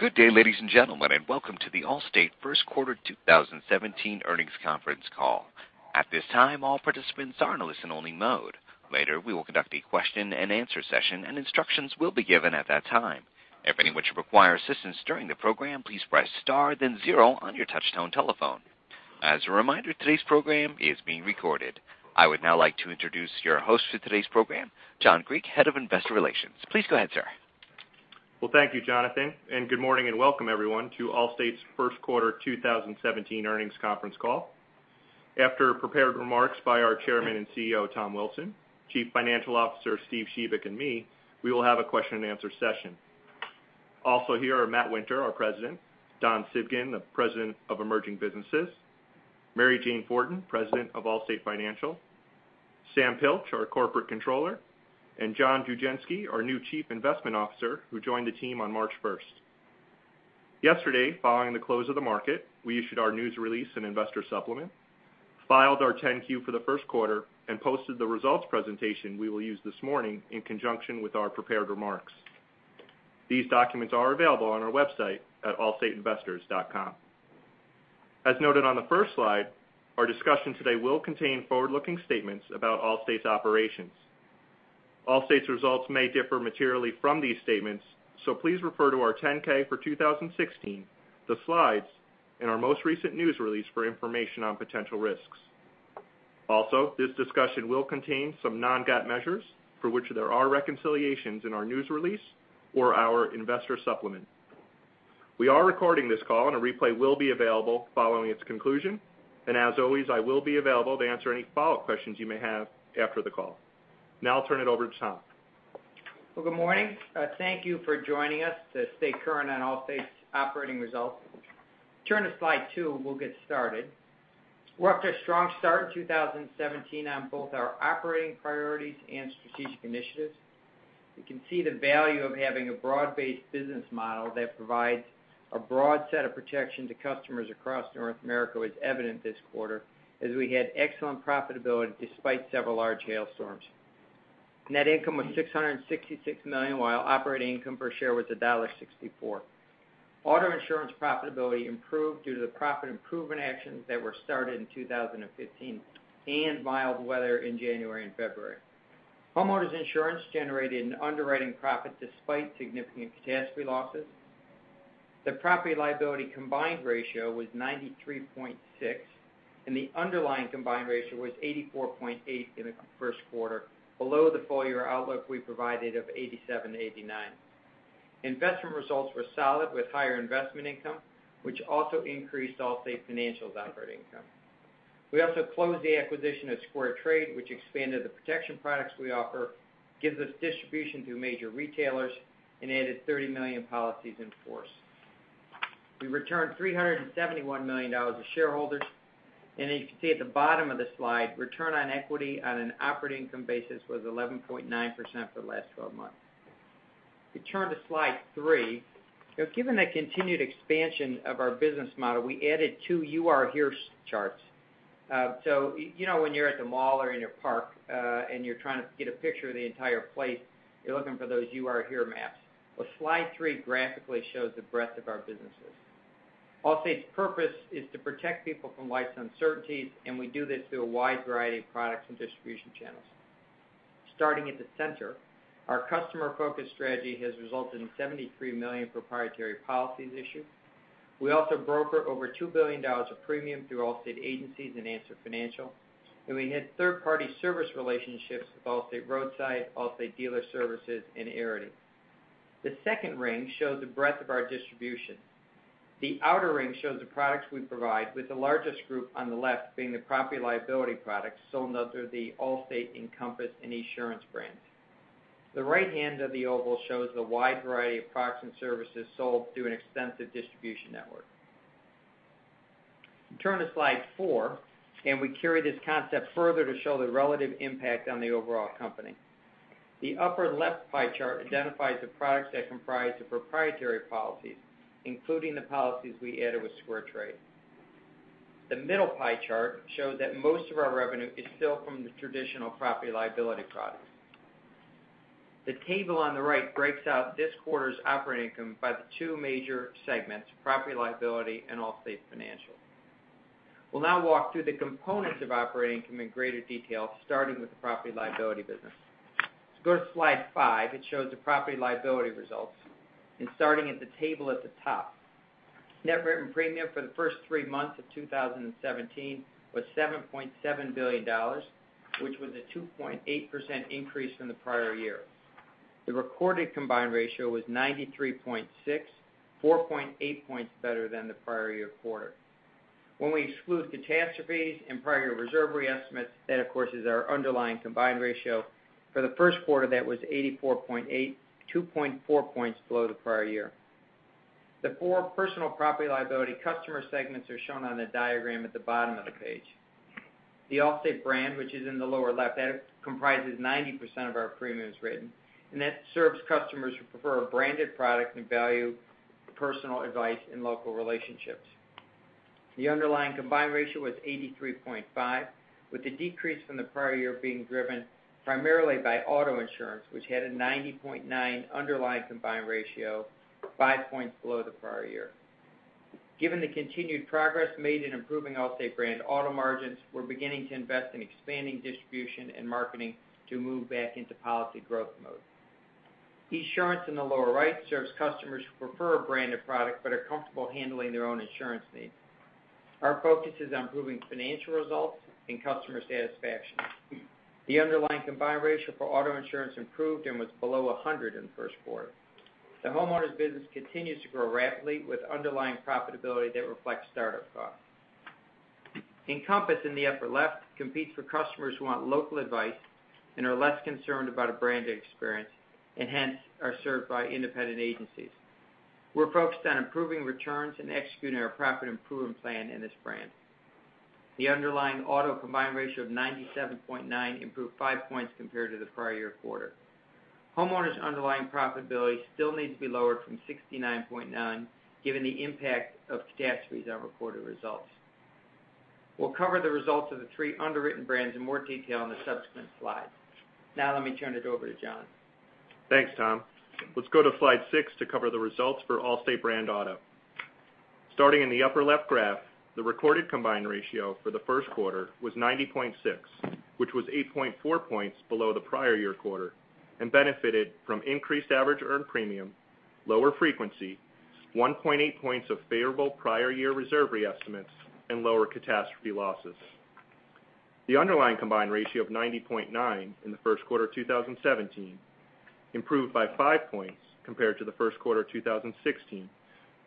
Good day, ladies and gentlemen, and welcome to the Allstate first quarter 2017 earnings conference call. At this time, all participants are in listen only mode. Later, we will conduct a question and answer session and instructions will be given at that time. If any which require assistance during the program, please press star then 0 on your touchtone telephone. As a reminder, today's program is being recorded. I would now like to introduce your host for today's program, John Griek, Head of Investor Relations. Please go ahead, sir. Well, thank you, Jonathan, and good morning and welcome everyone to Allstate's first quarter 2017 earnings conference call. After prepared remarks by our Chairman and CEO, Tom Wilson, Chief Financial Officer, Steve Shebik, and me, we will have a question and answer session. Also here are Matt Winter, our President, Don Civgin, the President of Emerging Businesses, Mary Jane Fortin, President of Allstate Financial, John Pintozzi, our Corporate Controller, and John Dugenske, our new Chief Investment Officer, who joined the team on March 1st. Yesterday, following the close of the market, we issued our news release and investor supplement, filed our 10-Q for the first quarter, and posted the results presentation we will use this morning in conjunction with our prepared remarks. These documents are available on our website at allstateinvestors.com. As noted on the first slide, our discussion today will contain forward-looking statements about Allstate's operations. Allstate's results may differ materially from these statements. Please refer to our 10-K for 2016, the slides, and our most recent news release for information on potential risks. This discussion will contain some non-GAAP measures for which there are reconciliations in our news release or our investor supplement. We are recording this call, and a replay will be available following its conclusion. As always, I will be available to answer any follow-up questions you may have after the call. I'll turn it over to Tom. Well, good morning. Thank you for joining us to stay current on Allstate's operating results. Turn to slide two and we'll get started. We're off to a strong start in 2017 on both our operating priorities and strategic initiatives. You can see the value of having a broad-based business model that provides a broad set of protection to customers across North America was evident this quarter as we had excellent profitability despite several large hailstorms. Net income was $666 million, while operating income per share was $1.64. Auto insurance profitability improved due to the profit improvement actions that were started in 2015 and mild weather in January and February. Homeowners insurance generated an underwriting profit despite significant catastrophe losses. The property liability combined ratio was 93.6, and the underlying combined ratio was 84.8 in the first quarter, below the full-year outlook we provided of 87%-89%. Investment results were solid with higher investment income, which also increased Allstate Financial's operating income. We also closed the acquisition of SquareTrade, which expanded the protection products we offer, gives us distribution through major retailers, and added 30 million policies in force. We returned $371 million to shareholders. As you can see at the bottom of the slide, return on equity on an operating income basis was 11.9% for the last 12 months. If we turn to slide three, given the continued expansion of our business model, we added two You Are Here charts. You know when you're at the mall or in a park, and you're trying to get a picture of the entire place, you're looking for those You Are Here maps. Well, slide three graphically shows the breadth of our businesses. Allstate's purpose is to protect people from life's uncertainties, and we do this through a wide variety of products and distribution channels. Starting at the center, our customer-focused strategy has resulted in 73 million proprietary policies issued. We also broker over $2 billion of premium through Allstate agencies and Answer Financial, and we had third-party service relationships with Allstate Roadside, Allstate Dealer Services, and Arity. The second ring shows the breadth of our distribution. The outer ring shows the products we provide, with the largest group on the left being the property liability products sold under the Allstate, Encompass, and Esurance brands. The right hand of the oval shows the wide variety of products and services sold through an extensive distribution network. If we turn to slide four, we carry this concept further to show the relative impact on the overall company. The upper left pie chart identifies the products that comprise the proprietary policies, including the policies we added with SquareTrade. The middle pie chart shows that most of our revenue is still from the traditional property liability products. The table on the right breaks out this quarter's operating income by the two major segments, property liability and Allstate Financial. We'll now walk through the components of operating income in greater detail, starting with the property liability business. Let's go to slide five. It shows the property liability results, starting at the table at the top. Net written premium for the first three months of 2017 was $7.7 billion, which was a 2.8% increase from the prior year. The recorded combined ratio was 93.6, 4.8 points better than the prior year quarter. When we exclude catastrophes and prior year reserve re-estimates, that of course, is our underlying combined ratio. For the first quarter, that was 84.8, 2.4 points below the prior year. The four personal property liability customer segments are shown on the diagram at the bottom of the page. The Allstate brand, which is in the lower left, that comprises 90% of our premiums written, and that serves customers who prefer a branded product and value personal advice and local relationships. The underlying combined ratio was 83.5, with the decrease from the prior year being driven primarily by auto insurance, which had a 90.9 underlying combined ratio, five points below the prior year. Given the continued progress made in improving Allstate brand auto margins, we're beginning to invest in expanding distribution and marketing to move back into policy growth mode. Esurance in the lower right serves customers who prefer a branded product but are comfortable handling their own insurance needs. Our focus is on improving financial results and customer satisfaction. The underlying combined ratio for auto insurance improved and was below 100 in the first quarter. The homeowners business continues to grow rapidly with underlying profitability that reflects startup costs. Encompass in the upper left competes for customers who want local advice and are less concerned about a branded experience. Hence, are served by independent agencies. We're focused on improving returns and executing our profit improvement plan in this brand. The underlying auto combined ratio of 97.9 improved five points compared to the prior year quarter. Homeowners' underlying profitability still needs to be lowered from 69.9 given the impact of catastrophes on reported results. We'll cover the results of the three underwritten brands in more detail on the subsequent slides. Let me turn it over to John. Thanks, Tom. Let's go to slide six to cover the results for Allstate brand auto. Starting in the upper left graph, the recorded combined ratio for the first quarter was 90.6, which was 8.4 points below the prior year quarter. Benefited from increased average earned premium, lower frequency, 1.8 points of favorable prior year reserve re-estimates, and lower catastrophe losses. The underlying combined ratio of 90.9 in the first quarter 2017 improved by five points compared to the first quarter 2016,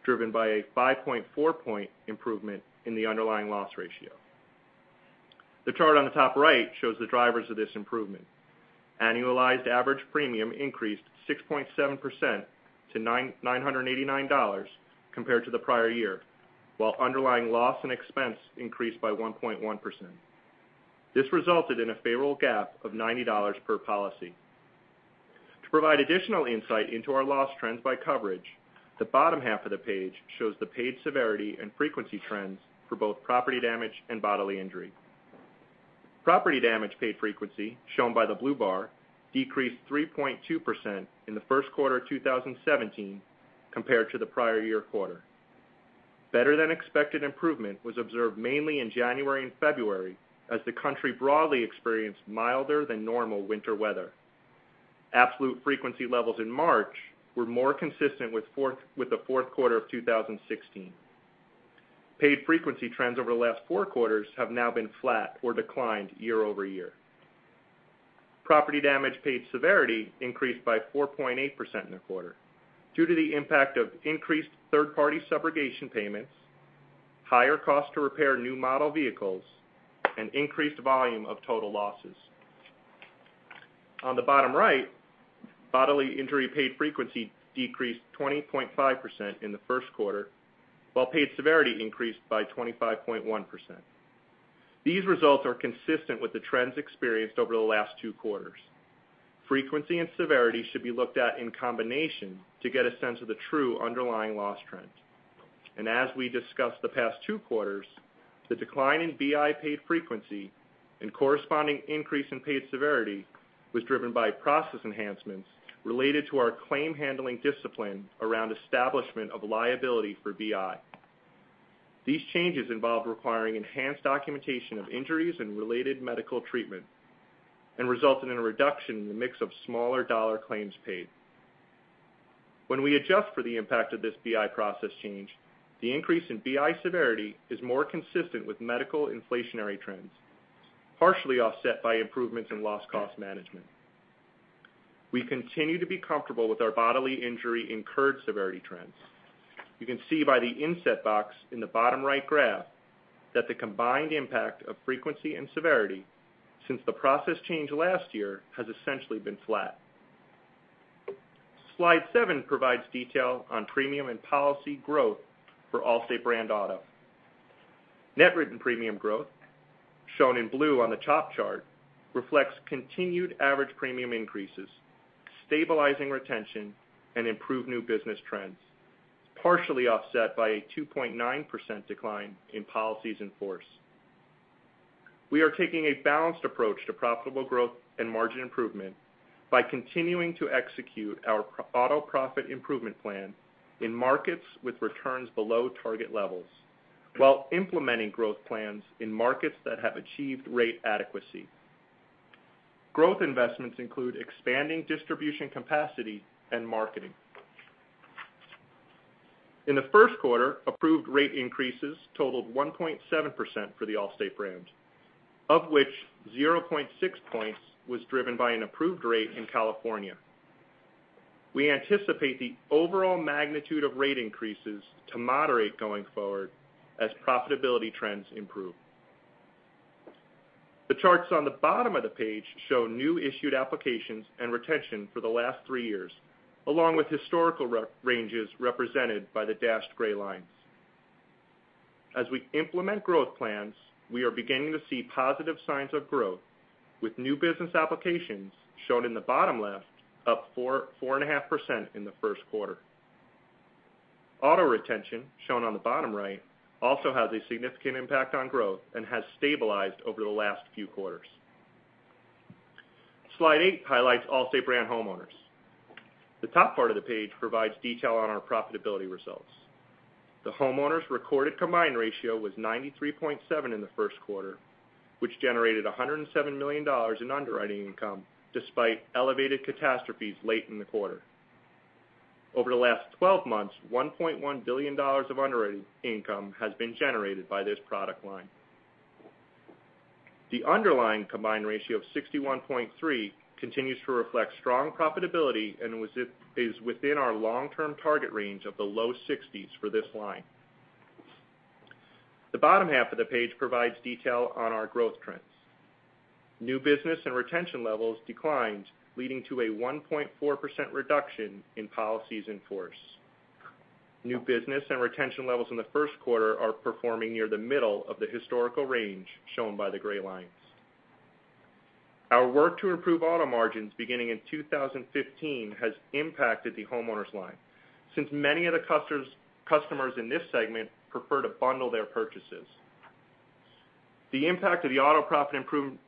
driven by a 5.4 point improvement in the underlying loss ratio. The chart on the top right shows the drivers of this improvement. Annualized average premium increased 6.7% to $989 compared to the prior year, while underlying loss and expense increased by 1.1%. This resulted in a favorable gap of $90 per policy. To provide additional insight into our loss trends by coverage, the bottom half of the page shows the paid severity and frequency trends for both property damage and bodily injury. Property damage paid frequency, shown by the blue bar, decreased 3.2% in the first quarter 2017 compared to the prior year quarter. Better than expected improvement was observed mainly in January and February as the country broadly experienced milder than normal winter weather. Absolute frequency levels in March were more consistent with the fourth quarter of 2016. Paid frequency trends over the last four quarters have now been flat or declined year-over-year. Property damage paid severity increased by 4.8% in the quarter due to the impact of increased third-party subrogation payments, higher cost to repair new model vehicles, and increased volume of total losses. On the bottom right, bodily injury paid frequency decreased 20.5% in the first quarter, while paid severity increased by 25.1%. These results are consistent with the trends experienced over the last two quarters. Frequency and severity should be looked at in combination to get a sense of the true underlying loss trend. As we discussed the past two quarters, the decline in BI paid frequency and corresponding increase in paid severity was driven by process enhancements related to our claim handling discipline around establishment of liability for BI. These changes involve requiring enhanced documentation of injuries and related medical treatment. Resulted in a reduction in the mix of smaller dollar claims paid. When we adjust for the impact of this BI process change, the increase in BI severity is more consistent with medical inflationary trends, partially offset by improvements in loss cost management. We continue to be comfortable with our bodily injury incurred severity trends. You can see by the inset box in the bottom right graph that the combined impact of frequency and severity since the process change last year has essentially been flat. Slide seven provides detail on premium and policy growth for Allstate brand auto. Net written premium growth, shown in blue on the top chart, reflects continued average premium increases, stabilizing retention, and improved new business trends, partially offset by a 2.9% decline in policies in force. We are taking a balanced approach to profitable growth and margin improvement by continuing to execute our Auto Profit Improvement Plan in markets with returns below target levels while implementing growth plans in markets that have achieved rate adequacy. Growth investments include expanding distribution capacity and marketing. In the first quarter, approved rate increases totaled 1.7% for the Allstate brand, of which 0.6 points was driven by an approved rate in California. We anticipate the overall magnitude of rate increases to moderate going forward as profitability trends improve. The charts on the bottom of the page show new issued applications and retention for the last three years, along with historical ranges represented by the dashed gray lines. As we implement growth plans, we are beginning to see positive signs of growth. New business applications shown in the bottom left, up 4.5% in the first quarter. Auto retention, shown on the bottom right, also has a significant impact on growth and has stabilized over the last few quarters. Slide eight highlights Allstate brand homeowners. The top part of the page provides detail on our profitability results. The homeowners' recorded combined ratio was 93.7 in the first quarter, which generated $107 million in underwriting income, despite elevated catastrophes late in the quarter. Over the last 12 months, $1.1 billion of underwriting income has been generated by this product line. The Underlying combined ratio of 61.3 continues to reflect strong profitability and is within our long-term target range of the low 60s for this line. The bottom half of the page provides detail on our growth trends. New business and retention levels declined, leading to a 1.4% reduction in policies in force. New business and retention levels in the first quarter are performing near the middle of the historical range, shown by the gray lines. Our work to improve auto margins beginning in 2015 has impacted the homeowners' line, since many of the customers in this segment prefer to bundle their purchases. The impact of the Auto Profit Improvement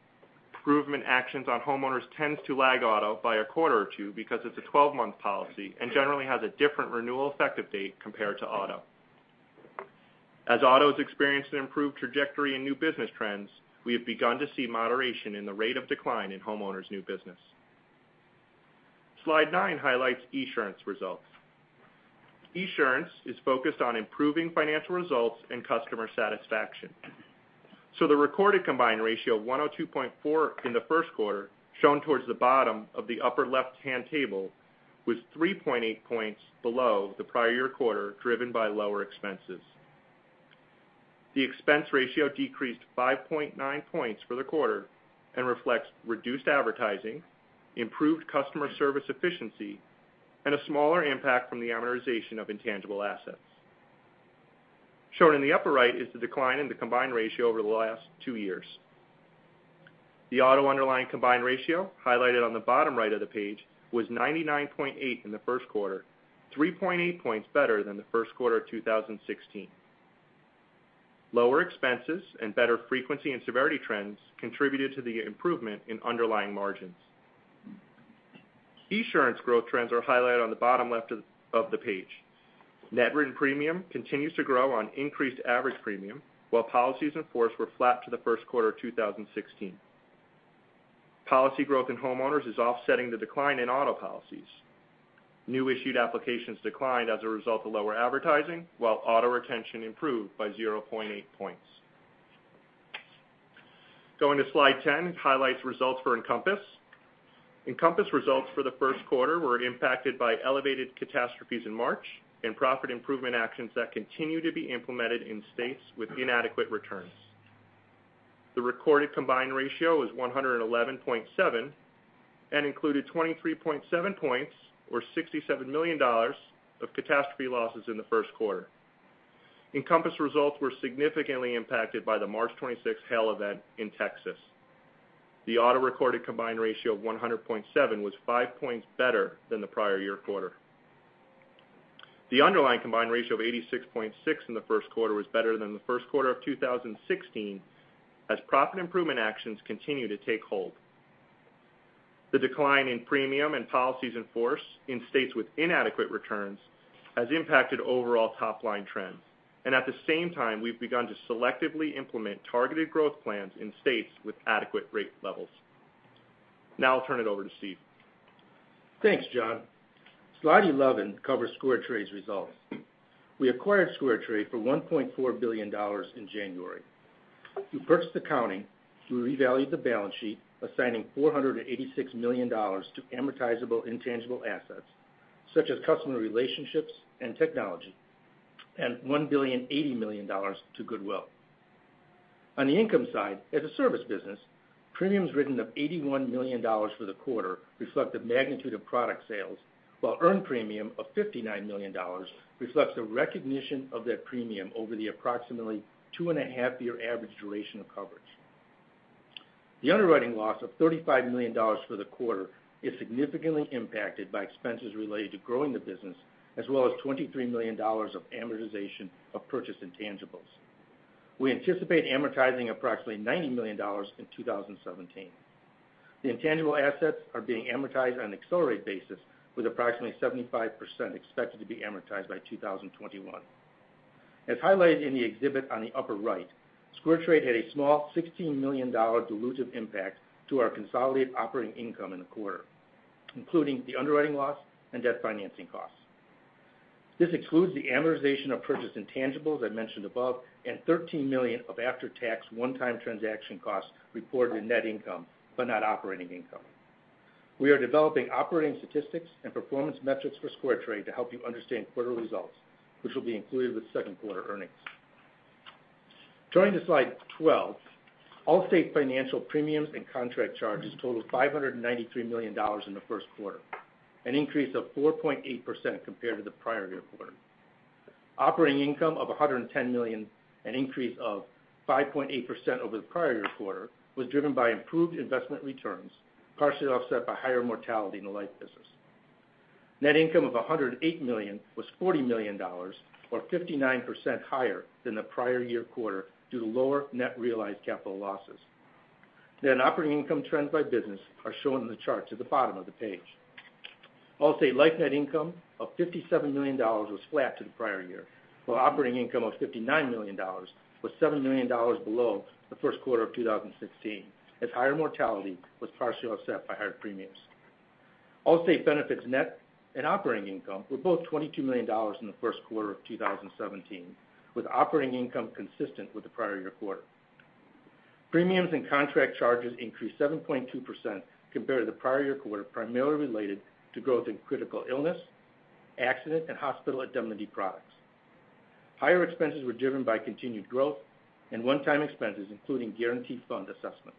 actions on homeowners tends to lag auto by a quarter or two, because it's a 12-month policy, and generally has a different renewal effective date compared to auto. As auto's experienced an improved trajectory in new business trends, we have begun to see moderation in the rate of decline in homeowners' new business. Slide nine highlights Esurance results. Esurance is focused on improving financial results and customer satisfaction. The recorded combined ratio of 102.4 in the first quarter, shown towards the bottom of the upper left-hand table, was 3.8 points below the prior year quarter, driven by lower expenses. The expense ratio decreased 5.9 points for the quarter and reflects reduced advertising, improved customer service efficiency, and a smaller impact from the amortization of intangible assets. Shown in the upper right is the decline in the combined ratio over the last two years. The auto underlying combined ratio, highlighted on the bottom right of the page, was 99.8 in the first quarter, 3.8 points better than the first quarter of 2016. Lower expenses and better frequency and severity trends contributed to the improvement in underlying margins. Esurance growth trends are highlighted on the bottom left of the page. Net written premium continues to grow on increased average premium, while policies in force were flat to the first quarter of 2016. Policy growth in homeowners is offsetting the decline in auto policies. New issued applications declined as a result of lower advertising, while auto retention improved by 0.8 points. Going to slide 10, it highlights results for Encompass. Thanks, John. Encompass results for the first quarter were impacted by elevated catastrophes in March and profit improvement actions that continue to be implemented in states with inadequate returns. The recorded combined ratio was 111.7 and included 23.7 points, or $67 million, of catastrophe losses in the first quarter. Encompass results were significantly impacted by the March 26th hail event in Texas. The auto recorded combined ratio of 100.7 was five points better than the prior year quarter. The underlying combined ratio of 86.6 in the first quarter was better than the first quarter of 2016, as profit improvement actions continue to take hold. The decline in premium and policies in force in states with inadequate returns has impacted overall top-line trends, at the same time, we've begun to selectively implement targeted growth plans in states with adequate rate levels. Now I'll turn it over to Steve. Thanks, John. Slide 11 covers SquareTrade's results. We acquired SquareTrade for $1.4 billion in January. Through purchase accounting, we revalued the balance sheet, assigning $486 million to amortizable intangible assets such as customer relationships and technology, and $1,080 million to goodwill. On the income side, as a service business, premiums written of $81 million for the quarter reflect the magnitude of product sales, while earned premium of $59 million reflects the recognition of that premium over the approximately two-and-a-half year average duration of coverage. The underwriting loss of $35 million for the quarter is significantly impacted by expenses related to growing the business, as well as $23 million of amortization of purchased intangibles. We anticipate amortizing approximately $90 million in 2017. The intangible assets are being amortized on an accelerated basis, with approximately 75% expected to be amortized by 2021. As highlighted in the exhibit on the upper right, SquareTrade had a small $16 million dilutive impact to our consolidated operating income in the quarter, including the underwriting loss and debt financing costs. This excludes the amortization of purchased intangibles I mentioned above and $13 million of after-tax one-time transaction costs reported in net income, but not operating income. We are developing operating statistics and performance metrics for SquareTrade to help you understand quarter results, which will be included with second-quarter earnings. Turning to slide 12, Allstate Financial premiums and contract charges totaled $593 million in the first quarter, an increase of 4.8% compared to the prior year quarter. Operating income of $110 million, an increase of 5.8% over the prior year quarter, was driven by improved investment returns, partially offset by higher mortality in the life business. Net income of $108 million was $40 million, or 59% higher than the prior year quarter due to lower net realized capital losses. Operating income trends by business are shown in the chart at the bottom of the page. Allstate Life net income of $57 million was flat to the prior year, while operating income of $59 million was $7 million below the first quarter of 2016, as higher mortality was partially offset by higher premiums. Allstate Benefits net and operating income were both $22 million in the first quarter of 2017, with operating income consistent with the prior year quarter. Premiums and contract charges increased 7.2% compared to the prior year quarter, primarily related to growth in critical illness, accident, and hospital indemnity products. Higher expenses were driven by continued growth and one-time expenses, including guaranteed fund assessments.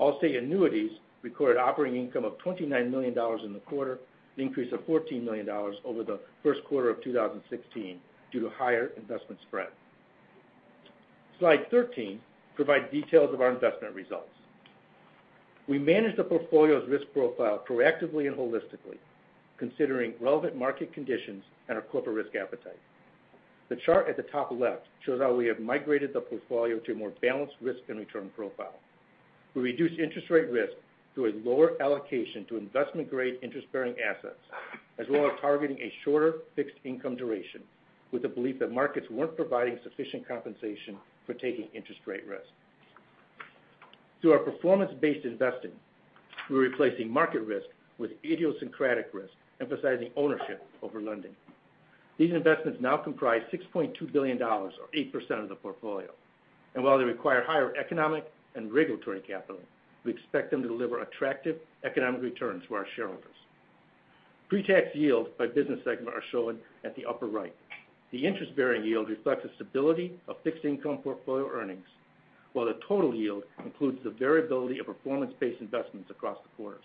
Allstate Annuities recorded operating income of $29 million in the quarter, an increase of $14 million over the first quarter of 2016 due to higher investment spread. Slide 13 provides details of our investment results. We manage the portfolio's risk profile proactively and holistically, considering relevant market conditions and our corporate risk appetite. The chart at the top left shows how we have migrated the portfolio to a more balanced risk and return profile. We reduced interest rate risk through a lower allocation to investment-grade interest-bearing assets, as well as targeting a shorter fixed income duration with the belief that markets weren't providing sufficient compensation for taking interest rate risk. Through our performance-based investing, we're replacing market risk with idiosyncratic risk, emphasizing ownership over lending. These investments now comprise $6.2 billion, or 8% of the portfolio. While they require higher economic and regulatory capital, we expect them to deliver attractive economic returns for our shareholders. Pre-tax yields by business segment are shown at the upper right. The interest-bearing yield reflects the stability of fixed income portfolio earnings, while the total yield includes the variability of performance-based investments across the quarters.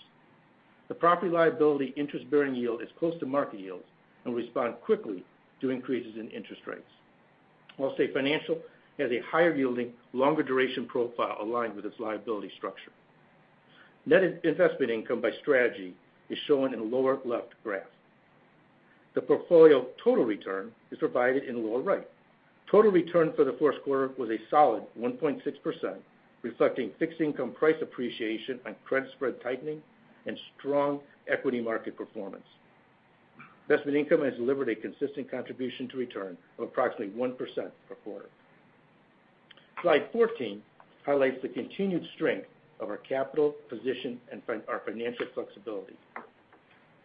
The property liability interest-bearing yield is close to market yields and will respond quickly to increases in interest rates. Allstate Financial has a higher-yielding, longer duration profile aligned with its liability structure. Net investment income by strategy is shown in the lower left graph. The portfolio total return is provided in the lower right. Total return for the first quarter was a solid 1.6%, reflecting fixed income price appreciation on credit spread tightening and strong equity market performance. Investment income has delivered a consistent contribution to return of approximately 1% per quarter. Slide 14 highlights the continued strength of our capital position and our financial flexibility.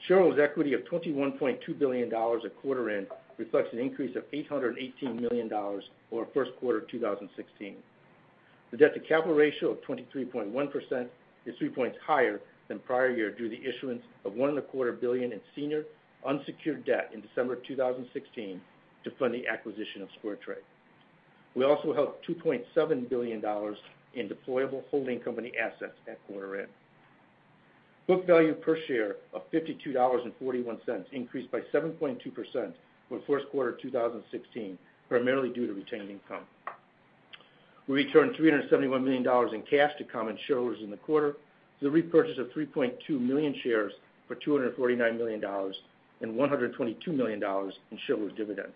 Shareholders' equity of $21.2 billion at quarter end reflects an increase of $818 million over first quarter 2016. The debt-to-capital ratio of 23.1% is three points higher than prior year due to the issuance of $1.25 billion in senior unsecured debt in December 2016 to fund the acquisition of SquareTrade. We also held $2.7 billion in deployable holding company assets at quarter end. Book value per share of $52.41 increased by 7.2% from first quarter 2016, primarily due to retained income. We returned $371 million in cash to common shareholders in the quarter, with the repurchase of 3.2 million shares for $249 million and $122 million in shareholders' dividends.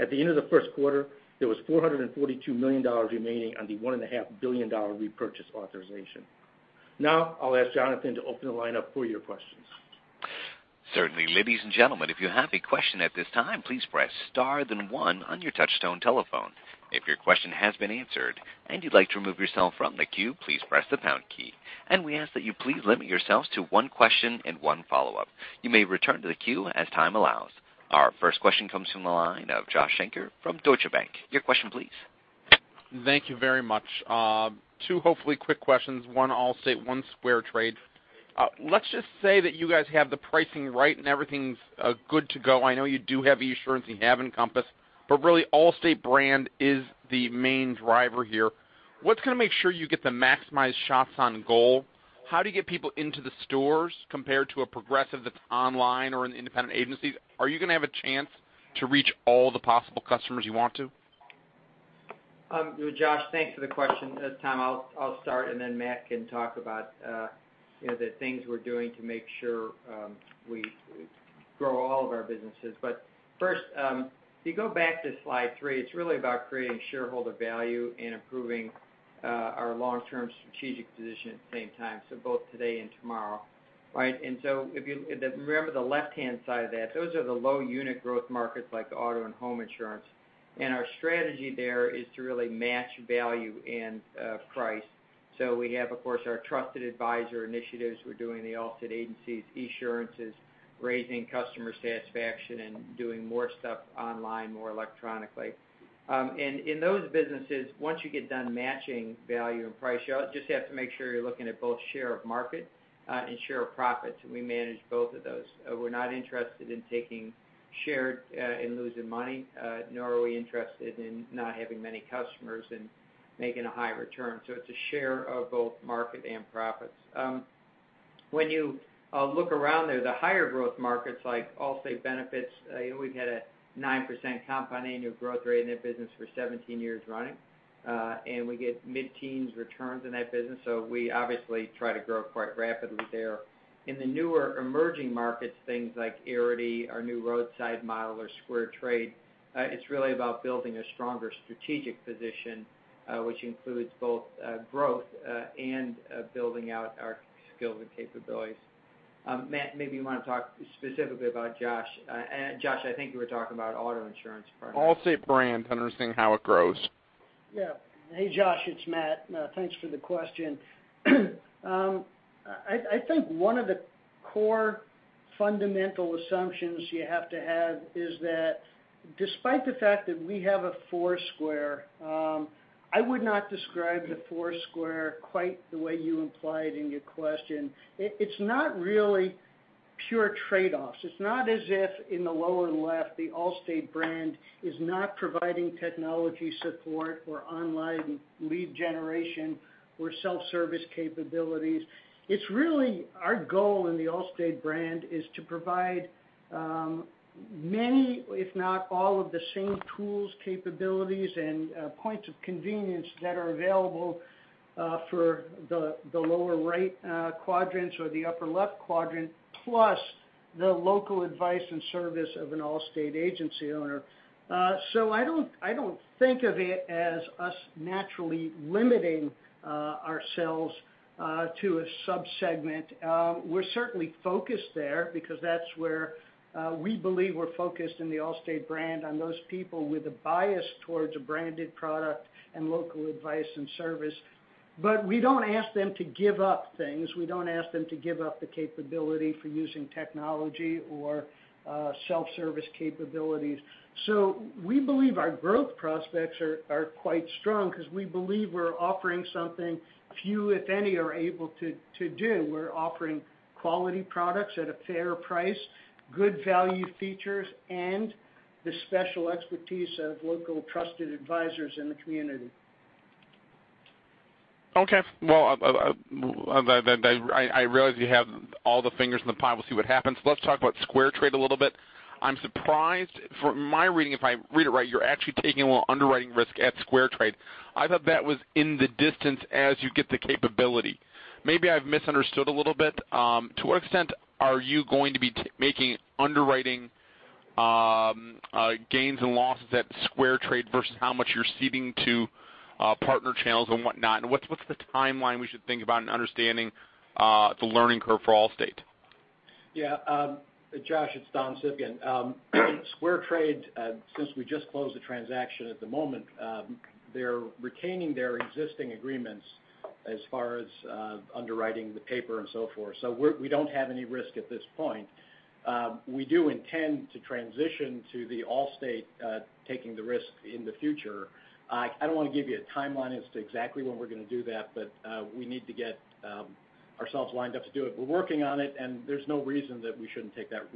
At the end of the first quarter, there was $442 million remaining on the $1.5 billion repurchase authorization. Now, I'll ask Jonathan to open the line up for your questions. Certainly. Ladies and gentlemen, if you have a question at this time, please press star then one on your touchtone telephone. If your question has been answered and you'd like to remove yourself from the queue, please press the pound key. We ask that you please limit yourselves to one question and one follow-up. You may return to the queue as time allows. Our first question comes from the line of Josh Shanker from Deutsche Bank. Your question please. Thank you very much. Two hopefully quick questions, one Allstate, one SquareTrade. Let's just say that you guys have the pricing right and everything's good to go. I know you do have Esurance and you have Encompass, but really, Allstate brand is the main driver here. What's going to make sure you get the maximized shots on goal? How do you get people into the stores compared to a Progressive that's online or in independent agencies? Are you going to have a chance to reach all the possible customers you want to? Josh, thanks for the question. This time, I'll start and then Matt can talk about the things we're doing to make sure we grow all of our businesses. First, if you go back to slide three, it's really about creating shareholder value and improving our long-term strategic position at the same time, so both today and tomorrow. Right? If you remember the left-hand side of that, those are the low unit growth markets like auto and home insurance. Our strategy there is to really match value and price. So we have, of course, our Trusted Advisor initiatives. We're doing the alternate agencies. Esurance is raising customer satisfaction and doing more stuff online, more electronically. In those businesses, once you get done matching value and price, you just have to make sure you're looking at both share of market and share of profits, and we manage both of those. We're not interested in taking share and losing money, nor are we interested in not having many customers and making a high return. It's a share of both market and profits. When you look around there, the higher growth markets like Allstate Benefits, we've had a 9% compound annual growth rate in that business for 17 years running. We get mid-teens returns in that business, so we obviously try to grow quite rapidly there. In the newer emerging markets, things like Arity, our new roadside model or SquareTrade, it's really about building a stronger strategic position, which includes both growth and building out our skills and capabilities. Matt, maybe you want to talk specifically about Josh. Josh, I think you were talking about auto insurance. Allstate brand, understanding how it grows. Yeah. Hey, Josh, it's Matt. Thanks for the question. I think one of the core fundamental assumptions you have to have is that despite the fact that we have a four square, I would not describe the four square quite the way you implied in your question. It's not really pure trade-offs. It's not as if in the lower left, the Allstate brand is not providing technology support or online lead generation or self-service capabilities. It's really our goal in the Allstate brand is to provide many, if not all of the same tools, capabilities, and points of convenience that are available for the lower right quadrants or the upper left quadrant, plus the local advice and service of an Allstate agency owner. I don't think of it as us naturally limiting ourselves to a sub-segment. We're certainly focused there because that's where we believe we're focused in the Allstate brand, on those people with a bias towards a branded product and local advice and service. We don't ask them to give up things. We don't ask them to give up the capability for using technology or self-service capabilities. We believe our growth prospects are quite strong because we believe we're offering something few, if any, are able to do. We're offering quality products at a fair price, good value features, and the special expertise of local trusted advisors in the community. Okay. Well, I realize you have all the fingers in the pot. We'll see what happens. Let's talk about SquareTrade a little bit. I'm surprised from my reading, if I read it right, you're actually taking on underwriting risk at SquareTrade. I thought that was in the distance as you get the capability. Maybe I've misunderstood a little bit. To what extent are you going to be making underwriting gains and losses at SquareTrade versus how much you're ceding to partner channels and whatnot, and what's the timeline we should think about in understanding the learning curve for Allstate? Yeah. Josh, it's Don Civgin. SquareTrade, since we just closed the transaction at the moment, they're retaining their existing agreements as far as underwriting the paper and so forth. We don't have any risk at this point. We do intend to transition to the Allstate taking the risk in the future. I don't want to give you a timeline as to exactly when we're going to do that, but we need to get ourselves lined up to do it. We're working on it, there's no reason that we shouldn't take that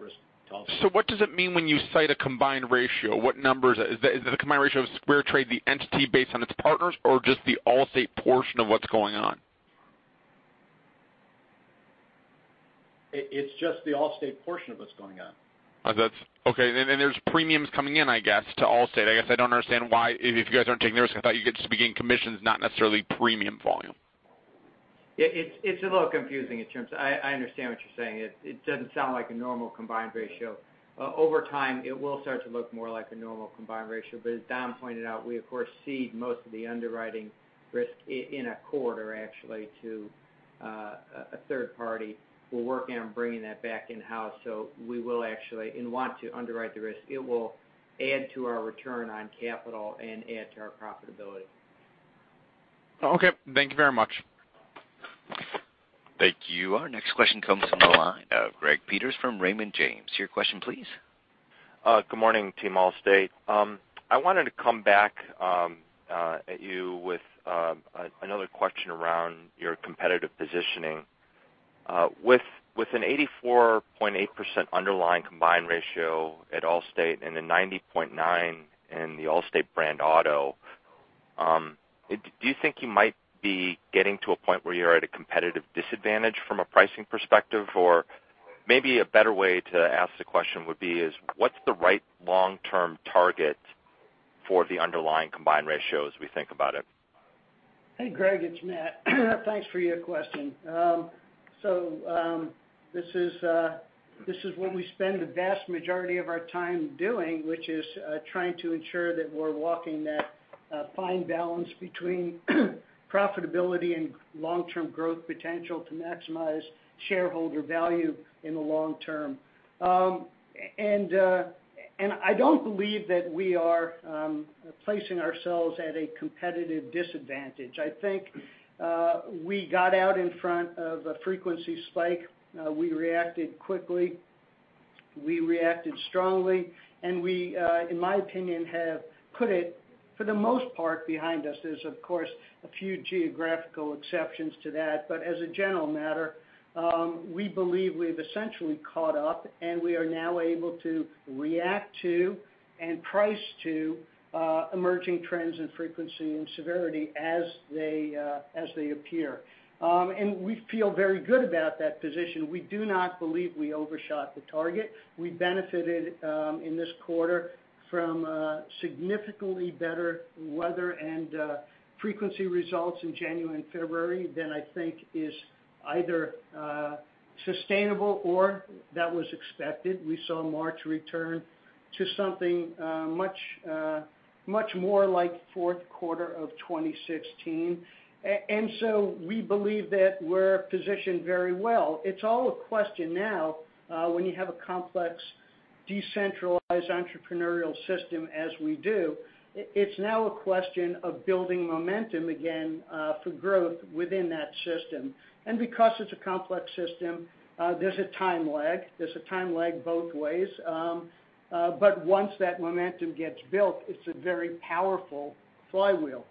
risk to Allstate. What does it mean when you cite a combined ratio? What numbers? Is the combined ratio of SquareTrade the entity based on its partners, or just the Allstate portion of what's going on? It's just the Allstate portion of what's going on. Okay. There's premiums coming in, I guess, to Allstate. I guess I don't understand why, if you guys aren't taking the risk, I thought you'd just be getting commissions, not necessarily premium volume. Yeah. I understand what you're saying. It doesn't sound like a normal combined ratio. Over time, it will start to look more like a normal combined ratio. As Don pointed out, we of course cede most of the underwriting risk in a quarter, actually, to a third party. We're working on bringing that back in-house. We will actually and want to underwrite the risk. It will add to our return on capital and add to our profitability. Okay. Thank you very much. Thank you. Our next question comes from the line of Greg Peters from Raymond James. Your question, please. Good morning, team Allstate. I wanted to come back at you with another question around your competitive positioning. With an 84.8% underlying combined ratio at Allstate and a 90.9% in the Allstate brand auto, do you think you might be getting to a point where you're at a competitive disadvantage from a pricing perspective? Maybe a better way to ask the question would be is what's the right long-term target for the underlying combined ratio as we think about it? Hey, Greg, it's Matt. Thanks for your question. This is what we spend the vast majority of our time doing, which is trying to ensure that we're walking that fine balance between profitability and long-term growth potential to maximize shareholder value in the long term. I don't believe that we are placing ourselves at a competitive disadvantage. I think we got out in front of a frequency spike. We reacted quickly, we reacted strongly, and we, in my opinion, have put For the most part behind us, there's, of course, a few geographical exceptions to that. As a general matter, we believe we've essentially caught up, and we are now able to react to and price to emerging trends in frequency and severity as they appear. We feel very good about that position. We do not believe we overshot the target. We benefited in this quarter from significantly better weather and frequency results in January and February than I think is either sustainable or that was expected. We saw March return to something much more like fourth quarter of 2016. We believe that we're positioned very well. It's all a question now, when you have a complex, decentralized entrepreneurial system as we do, it's now a question of building momentum again for growth within that system. Because it's a complex system, there's a time lag. There's a time lag both ways. Once that momentum gets built, it's a very powerful flywheel.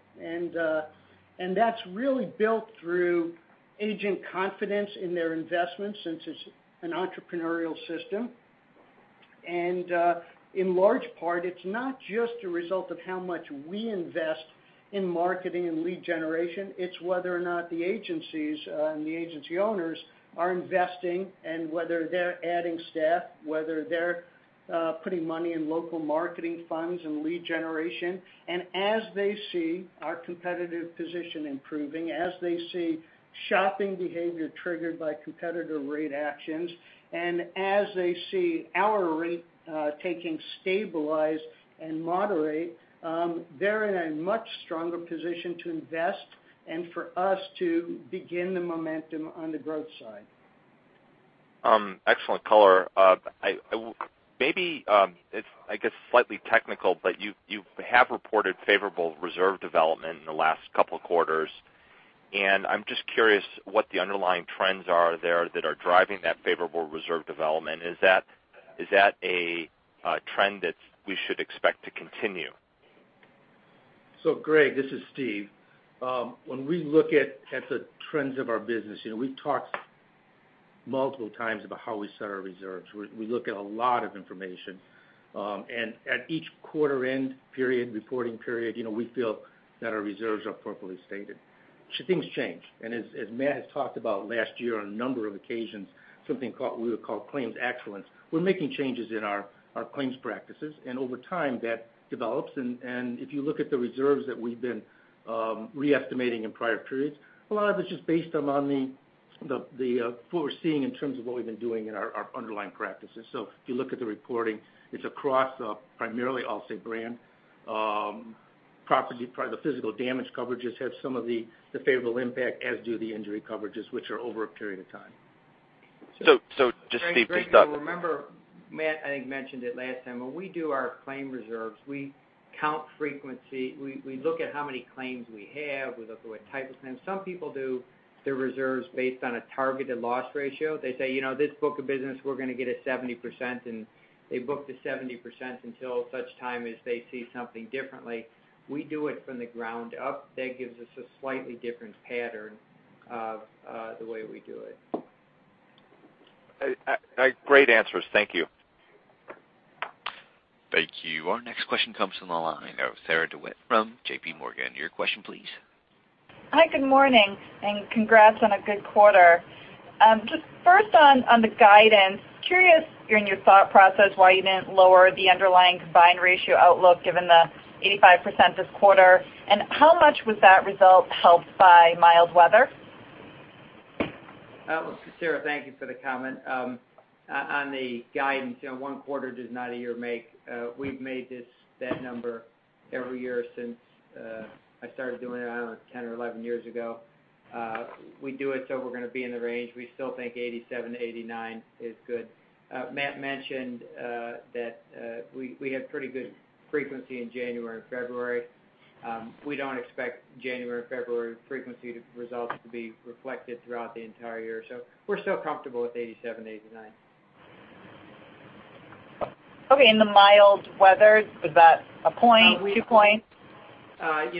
That's really built through agent confidence in their investments, since it's an entrepreneurial system. In large part, it's not just a result of how much we invest in marketing and lead generation. It's whether or not the agencies and the agency owners are investing and whether they're adding staff, whether they're putting money in local marketing funds and lead generation. As they see our competitive position improving, as they see shopping behavior triggered by competitor rate actions, and as they see our rate-taking stabilize and moderate, they're in a much stronger position to invest and for us to begin the momentum on the growth side. Excellent color. Maybe it's, I guess, slightly technical, but you have reported favorable reserve development in the last couple of quarters. I'm just curious what the underlying trends are there that are driving that favorable reserve development. Is that a trend that we should expect to continue? Greg, this is Steve. When we look at the trends of our business, we've talked multiple times about how we set our reserves. We look at a lot of information. At each quarter end period, reporting period, we feel that our reserves are appropriately stated. Things change. As Matt has talked about last year on a number of occasions, something we call claims excellence. We're making changes in our claims practices. Over time, that develops. If you look at the reserves that we've been re-estimating in prior periods, a lot of it's just based on what we're seeing in terms of what we've been doing in our underlying practices. If you look at the reporting, it's across primarily Allstate brand. Property, the physical damage coverages have some of the favorable impact, as do the injury coverages, which are over a period of time. Just Steve- Greg, you'll remember, Matt, I think, mentioned it last time. When we do our claim reserves, we count frequency. We look at how many claims we have. We look at what type of claims. Some people do their reserves based on a targeted loss ratio. They say, "This book of business, we're going to get a 70%," and they book the 70% until such time as they see something differently. We do it from the ground up. That gives us a slightly different pattern of the way we do it. Great answers. Thank you. Thank you. Our next question comes from the line of Sarah DeWitt from J.P. Morgan. Your question, please. Hi, good morning, and congrats on a good quarter. Just first on the guidance, curious during your thought process why you didn't lower the underlying combined ratio outlook given the 85% this quarter, and how much was that result helped by mild weather? Sarah, thank you for the comment. On the guidance, one quarter does not a year make. We've made that number every year since I started doing it, I don't know, 10 or 11 years ago. We do it so we're going to be in the range. We still think 87 to 89 is good. Matt mentioned that we had pretty good frequency in January and February. We don't expect January and February frequency results to be reflected throughout the entire year. We're still comfortable with 87 to 89. Okay. The mild weather, is that a point, two points? That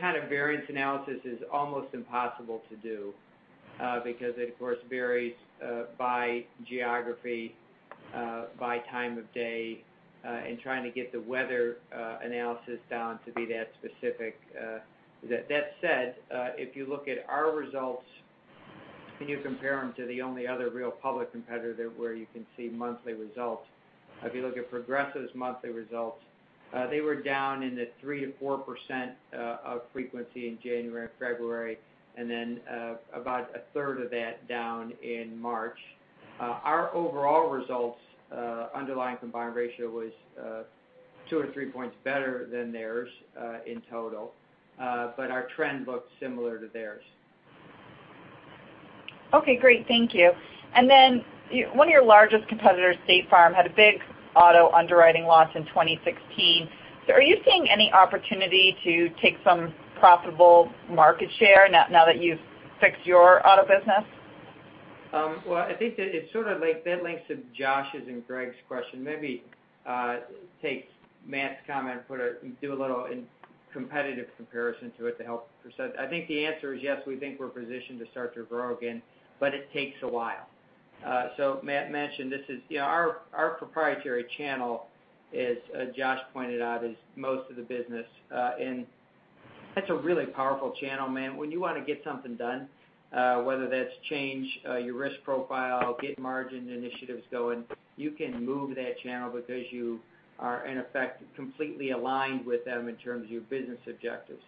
kind of variance analysis is almost impossible to do because it, of course, varies by geography, by time of day, and trying to get the weather analysis down to be that specific. That said, if you look at our results and you compare them to the only other real public competitor where you can see monthly results, if you look at Progressive's monthly results, they were down in the 3%-4% of frequency in January and February, and then about a third of that down in March. Our overall results underlying combined ratio was two or three points better than theirs in total. Our trend looked similar to theirs. Okay, great. Thank you. One of your largest competitors, State Farm, had a big auto underwriting loss in 2016. Are you seeing any opportunity to take some profitable market share now that you've fixed your auto business? I think that it sort of links to Josh's and Greg's question. Maybe take Matt's comment, and do a little competitive comparison to it to help percent. I think the answer is yes, we think we're positioned to start to grow again, but it takes a while. Matt mentioned, our proprietary channel is, as Josh pointed out, is most of the business. That's a really powerful channel, Matt. When you want to get something done, whether that's change your risk profile, get margin initiatives going, you can move that channel because you are in effect, completely aligned with them in terms of your business objectives.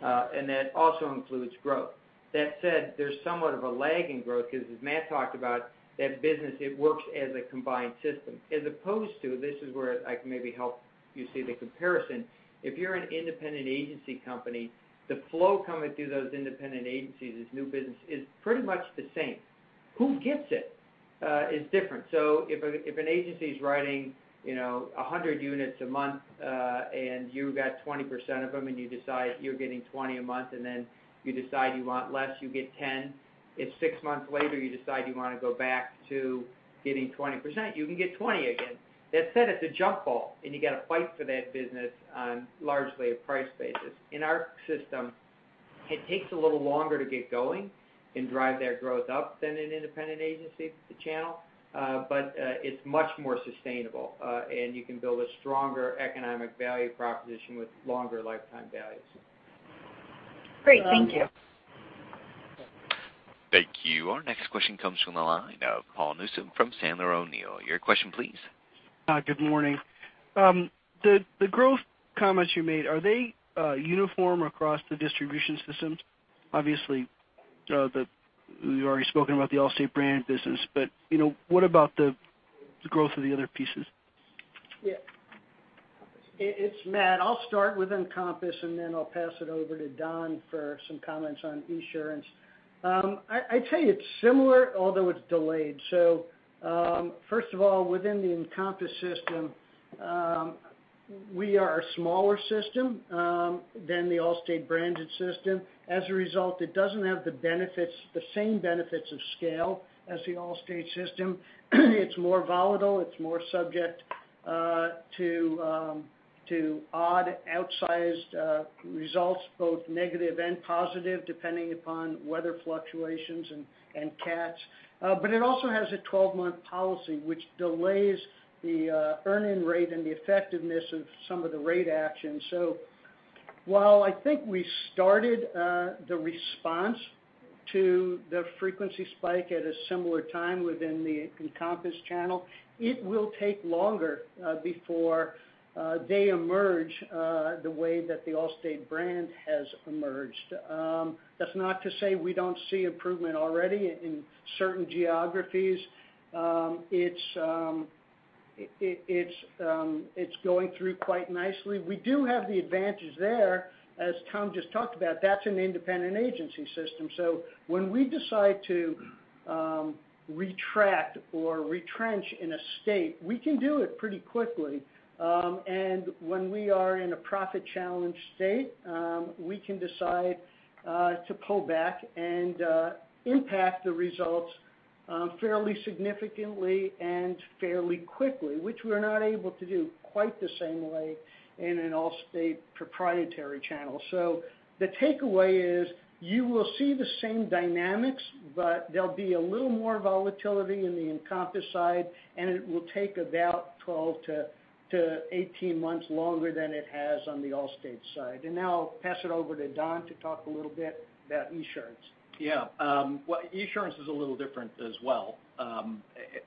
That also includes growth. That said, there's somewhat of a lag in growth because as Matt talked about, that business, it works as a combined system. As opposed to, this is where I can maybe help you see the comparison, if you're an independent agency company, the flow coming through those independent agencies as new business is pretty much the same. Who gets it is different. If an agency's writing 100 units a month, and you've got 20% of them, and you decide you're getting 20 a month, and then you decide you want less, you get 10. If six months later you decide you want to go back to getting 20%, you can get 20 again. That said, it's a jump ball, and you got to fight for that business on largely a price basis. In our system, it takes a little longer to get going and drive that growth up than an independent agency channel. It's much more sustainable. You can build a stronger economic value proposition with longer lifetime values. Great. Thank you. Thank you. Our next question comes from the line of Paul Newsome from Sandler O'Neill. Your question, please. Good morning. The growth comments you made, are they uniform across the distribution systems? Obviously, you've already spoken about the Allstate brand business, but what about the growth of the other pieces? Yeah. It's Matt. I'll start with Encompass, and then I'll pass it over to Don for some comments on Esurance. I'd tell you it's similar, although it's delayed. First of all, within the Encompass system, we are a smaller system than the Allstate branded system. As a result, it doesn't have the same benefits of scale as the Allstate system. It's more volatile. It's more subject to odd outsized results, both negative and positive, depending upon weather fluctuations and cats. It also has a 12-month policy, which delays the earn-in rate and the effectiveness of some of the rate actions. While I think we started the response to the frequency spike at a similar time within the Encompass channel, it will take longer before they emerge the way that the Allstate brand has emerged. That's not to say we don't see improvement already in certain geographies. It's going through quite nicely. We do have the advantage there, as Tom just talked about. That's an independent agency system, when we decide to retract or retrench in a state, we can do it pretty quickly. When we are in a profit-challenged state, we can decide to pull back and impact the results fairly significantly and fairly quickly, which we're not able to do quite the same way in an Allstate proprietary channel. The takeaway is you will see the same dynamics, but there'll be a little more volatility in the Encompass side, and it will take about 12 to 18 months longer than it has on the Allstate side. Now I'll pass it over to Don to talk a little bit about Esurance. Yeah. Esurance is a little different as well,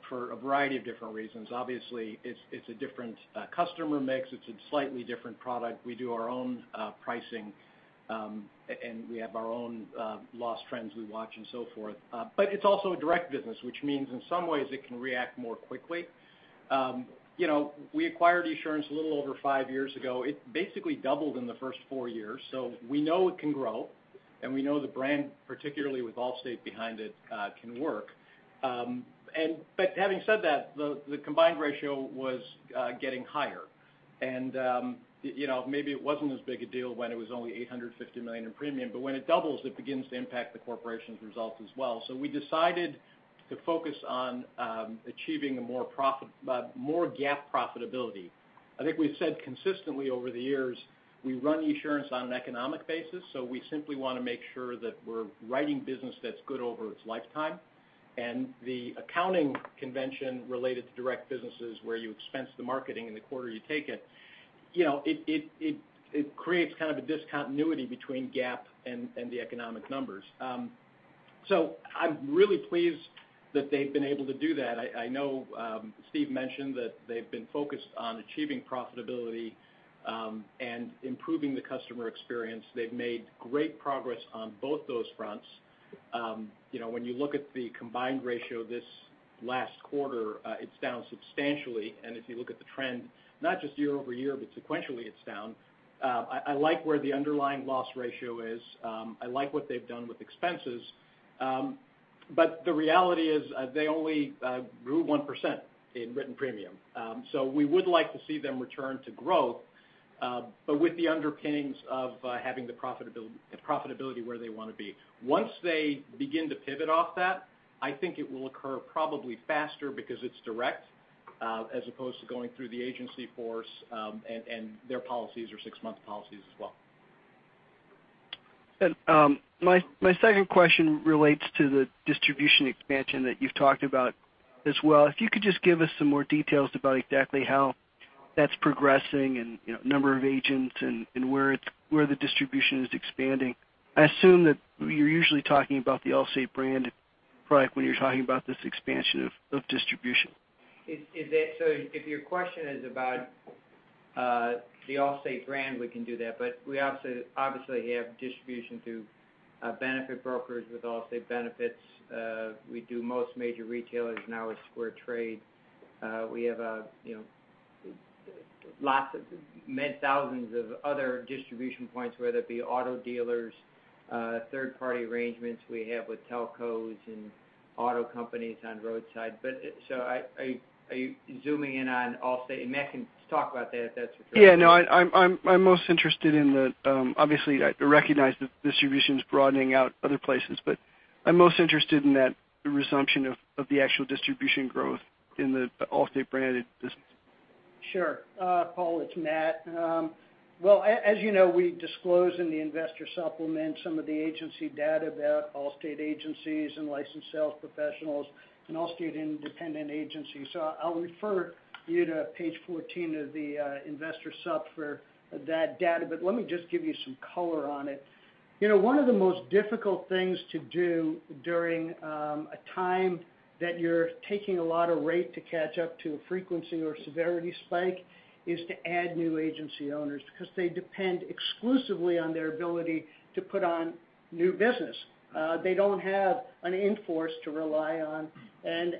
for a variety of different reasons. Obviously, it's a different customer mix. It's a slightly different product. We do our own pricing, and we have our own loss trends we watch and so forth. It's also a direct business, which means in some ways it can react more quickly. We acquired Esurance a little over five years ago. It basically doubled in the first four years. We know it can grow, and we know the brand, particularly with Allstate behind it, can work. Having said that, the combined ratio was getting higher. Maybe it wasn't as big a deal when it was only $850 million in premium, but when it doubles, it begins to impact the corporation's results as well. We decided to focus on achieving a more GAAP profitability. I think we've said consistently over the years, we run Esurance on an economic basis, we simply want to make sure that we're writing business that's good over its lifetime. The accounting convention related to direct businesses where you expense the marketing in the quarter you take it creates kind of a discontinuity between GAAP and the economic numbers. I'm really pleased that they've been able to do that. I know Steve mentioned that they've been focused on achieving profitability, and improving the customer experience. They've made great progress on both those fronts. When you look at the combined ratio this last quarter, it's down substantially. If you look at the trend, not just year-over-year, but sequentially, it's down. I like where the underlying loss ratio is. I like what they've done with expenses. The reality is, they only grew 1% in written premium. We would like to see them return to growth With the underpinnings of having the profitability where they want to be. Once they begin to pivot off that, I think it will occur probably faster because it's direct, as opposed to going through the agency force, and their policies are six-month policies as well. My second question relates to the distribution expansion that you've talked about as well. If you could just give us some more details about exactly how that's progressing and number of agents and where the distribution is expanding. I assume that you're usually talking about the Allstate brand product when you're talking about this expansion of distribution. If your question is about the Allstate brand, we can do that. We obviously have distribution through benefit brokers with Allstate Benefits. We do most major retailers now with SquareTrade. We have many thousands of other distribution points, whether it be auto dealers, third-party arrangements we have with telcos and auto companies on roadside. Are you zooming in on Allstate? Matt can talk about that if that's what you're. Yeah, no, I'm most interested in obviously, I recognize that distribution's broadening out other places. I'm most interested in that resumption of the actual distribution growth in the Allstate branded business. Sure. Paul, it's Matt. Well, as you know, we disclose in the investor supplement some of the agency data about Allstate agencies and licensed sales professionals and Allstate independent agencies. I'll refer you to page 14 of the investor sup for that data. Let me just give you some color on it. One of the most difficult things to do during a time that you're taking a lot of rate to catch up to a frequency or severity spike is to add new agency owners because they depend exclusively on their ability to put on new business. They don't have an in-force to rely on.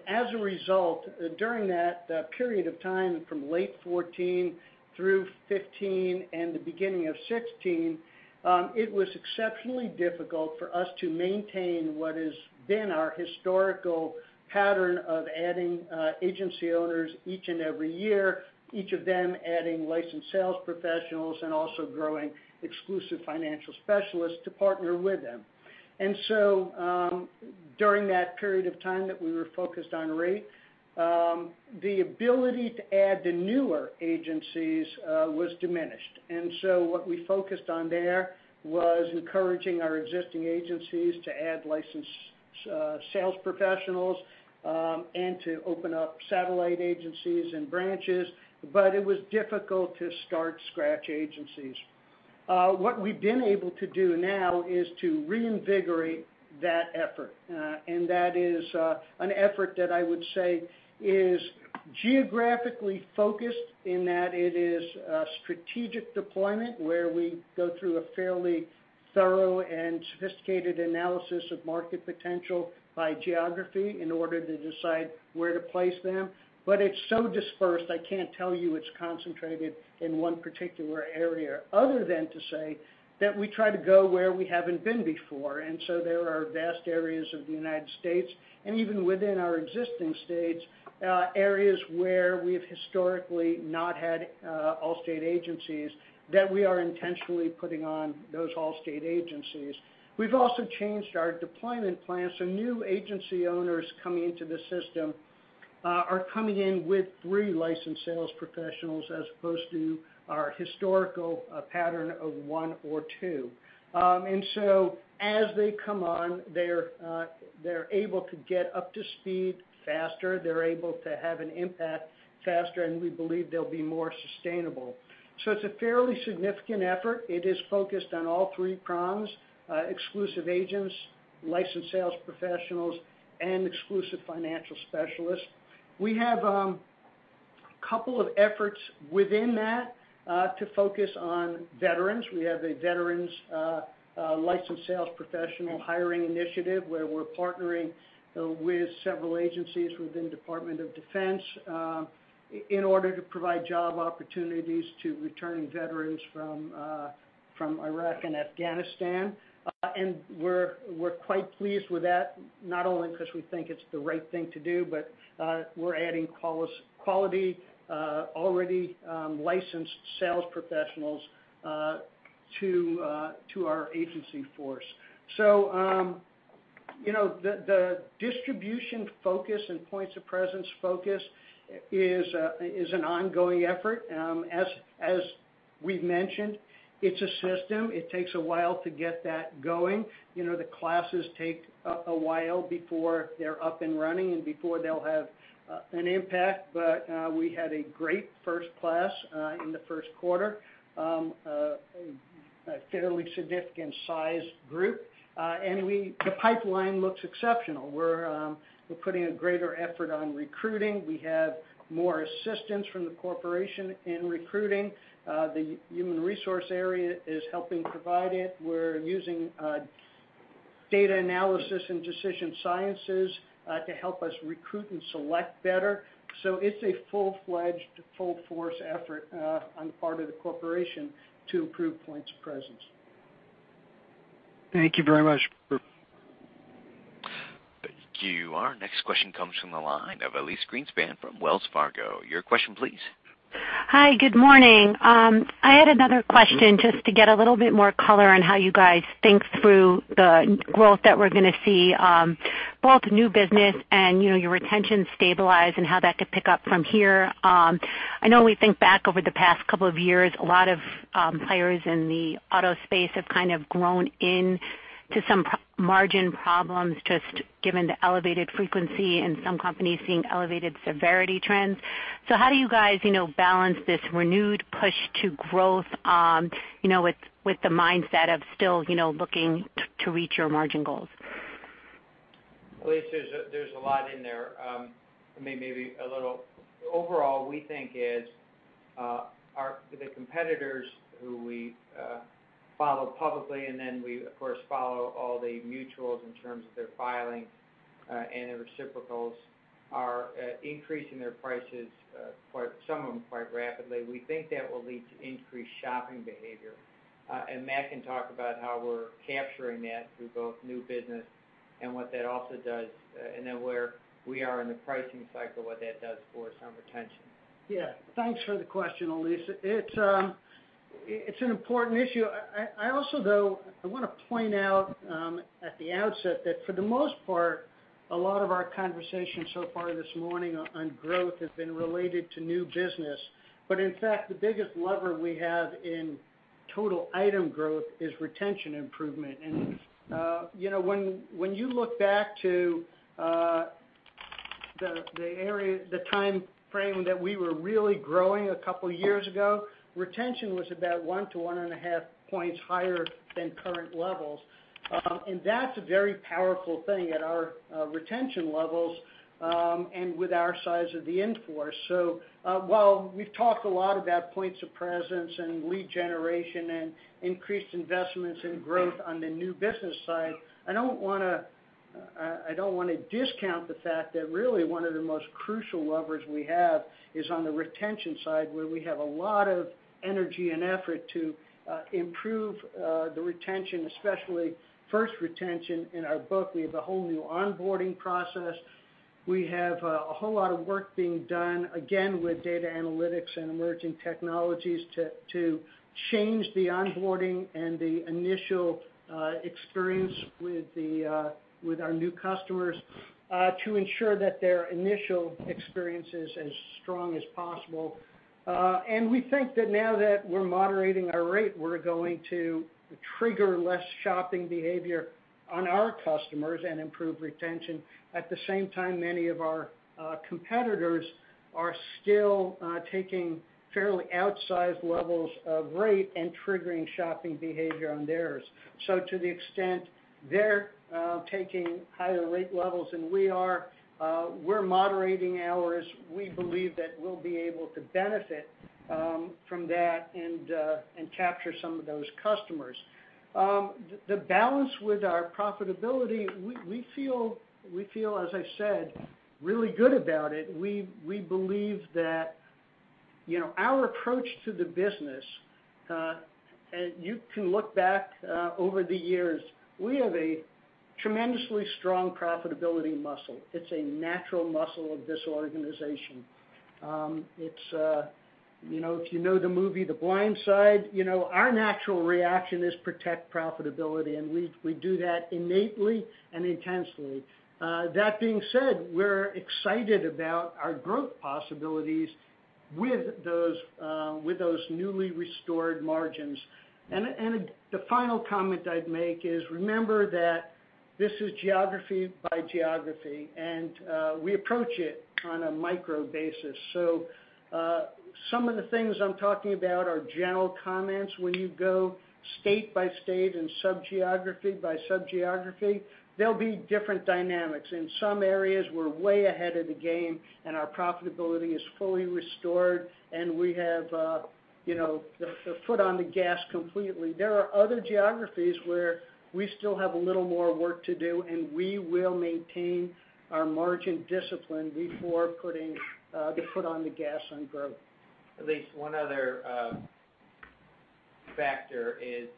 As a result, during that period of time from late 2014 through 2015 and the beginning of 2016, it was exceptionally difficult for us to maintain what has been our historical pattern of adding agency owners each and every year, each of them adding licensed sales professionals and also growing exclusive financial specialists to partner with them. During that period of time that we were focused on rate, the ability to add the newer agencies was diminished. What we focused on there was encouraging our existing agencies to add licensed sales professionals and to open up satellite agencies and branches. It was difficult to start scratch agencies. What we've been able to do now is to reinvigorate that effort. That is an effort that I would say is geographically focused in that it is a strategic deployment where we go through a fairly thorough and sophisticated analysis of market potential by geography in order to decide where to place them. It's so dispersed, I can't tell you it's concentrated in one particular area other than to say that we try to go where we haven't been before. There are vast areas of the U.S. and even within our existing states, areas where we've historically not had Allstate agencies that we are intentionally putting on those Allstate agencies. We've also changed our deployment plan, so new agency owners coming into the system are coming in with three licensed sales professionals as opposed to our historical pattern of one or two. As they come on, they're able to get up to speed faster, they're able to have an impact faster, and we believe they'll be more sustainable. It's a fairly significant effort. It is focused on all three prongs, exclusive agents, licensed sales professionals, and exclusive financial specialists. We have a couple of efforts within that to focus on veterans. We have a veterans licensed sales professional hiring initiative where we're partnering with several agencies within Department of Defense in order to provide job opportunities to returning veterans from Iraq and Afghanistan. We're quite pleased with that, not only because we think it's the right thing to do, but we're adding quality already licensed sales professionals to our agency force. The distribution focus and points of presence focus is an ongoing effort. As we've mentioned, it's a system. It takes a while to get that going. The classes take a while before they're up and running and before they'll have an impact. We had a great first class in the first quarter, a fairly significant size group. The pipeline looks exceptional. We're putting a greater effort on recruiting. We have more assistance from the corporation in recruiting. The human resource area is helping provide it. We're using data analysis and decision sciences to help us recruit and select better. It's a full-fledged, full-force effort on the part of the corporation to improve points of presence. Thank you very much. Next question comes from the line of Elyse Greenspan from Wells Fargo. Your question, please. Hi, good morning. I had another question just to get a little bit more color on how you guys think through the growth that we're going to see, both new business and your retention stabilize and how that could pick up from here. I know we think back over the past couple of years, a lot of players in the auto space have grown into some margin problems, just given the elevated frequency and some companies seeing elevated severity trends. How do you guys balance this renewed push to growth with the mindset of still looking to reach your margin goals? Elyse, there's a lot in there. Maybe a little. Overall, we think, the competitors who we follow publicly, and then we, of course, follow all the mutuals in terms of their filings, and their reciprocals are increasing their prices, some of them quite rapidly. We think that will lead to increased shopping behavior. Matt can talk about how we're capturing that through both new business and what that also does, and then where we are in the pricing cycle, what that does for us on retention. Yeah. Thanks for the question, Elyse. It's an important issue. I also, though, I want to point out at the outset that for the most part, a lot of our conversation so far this morning on growth has been related to new business. In fact, the biggest lever we have in total item growth is retention improvement. When you look back to the time frame that we were really growing a couple of years ago, retention was about one to one and a half points higher than current levels. That's a very powerful thing at our retention levels, and with our size of the in-force. While we've talked a lot about points of presence and lead generation and increased investments in growth on the new business side, I don't want to discount the fact that really one of the most crucial levers we have is on the retention side, where we have a lot of energy and effort to improve the retention, especially first retention in our book. We have a whole new onboarding process. We have a whole lot of work being done, again, with data analytics and emerging technologies to change the onboarding and the initial experience with our new customers, to ensure that their initial experience is as strong as possible. We think that now that we're moderating our rate, we're going to trigger less shopping behavior on our customers and improve retention. At the same time, many of our competitors are still taking fairly outsized levels of rate and triggering shopping behavior on theirs. To the extent they're taking higher rate levels than we are, we're moderating ours. We believe that we'll be able to benefit from that and capture some of those customers. The balance with our profitability, we feel, as I said, really good about it. We believe that our approach to the business, and you can look back over the years, we have a tremendously strong profitability muscle. It's a natural muscle of this organization. If you know the movie "The Blind Side," our natural reaction is protect profitability, and we do that innately and intensely. That being said, we're excited about our growth possibilities with those newly restored margins. The final comment I'd make is, remember that this is geography by geography, and we approach it on a micro basis. Some of the things I'm talking about are general comments. When you go state by state and sub-geography by sub-geography, there'll be different dynamics. In some areas, we're way ahead of the game, and our profitability is fully restored, and we have the foot on the gas completely. There are other geographies where we still have a little more work to do, and we will maintain our margin discipline before putting the foot on the gas on growth. Elyse, one other factor is,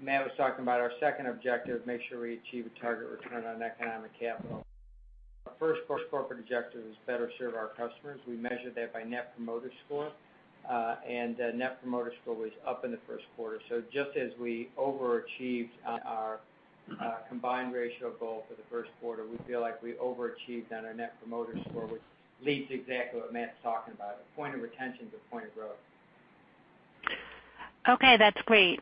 Matt was talking about our second objective, make sure we achieve a target return on economic capital. Our first corporate objective is better serve our customers. We measure that by net promoter score. Net promoter score was up in the first quarter. Just as we overachieved on our combined ratio goal for the first quarter, we feel like we overachieved on our net promoter score, which leads to exactly what Matt's talking about. The point of retention is a point of growth. Okay, that's great.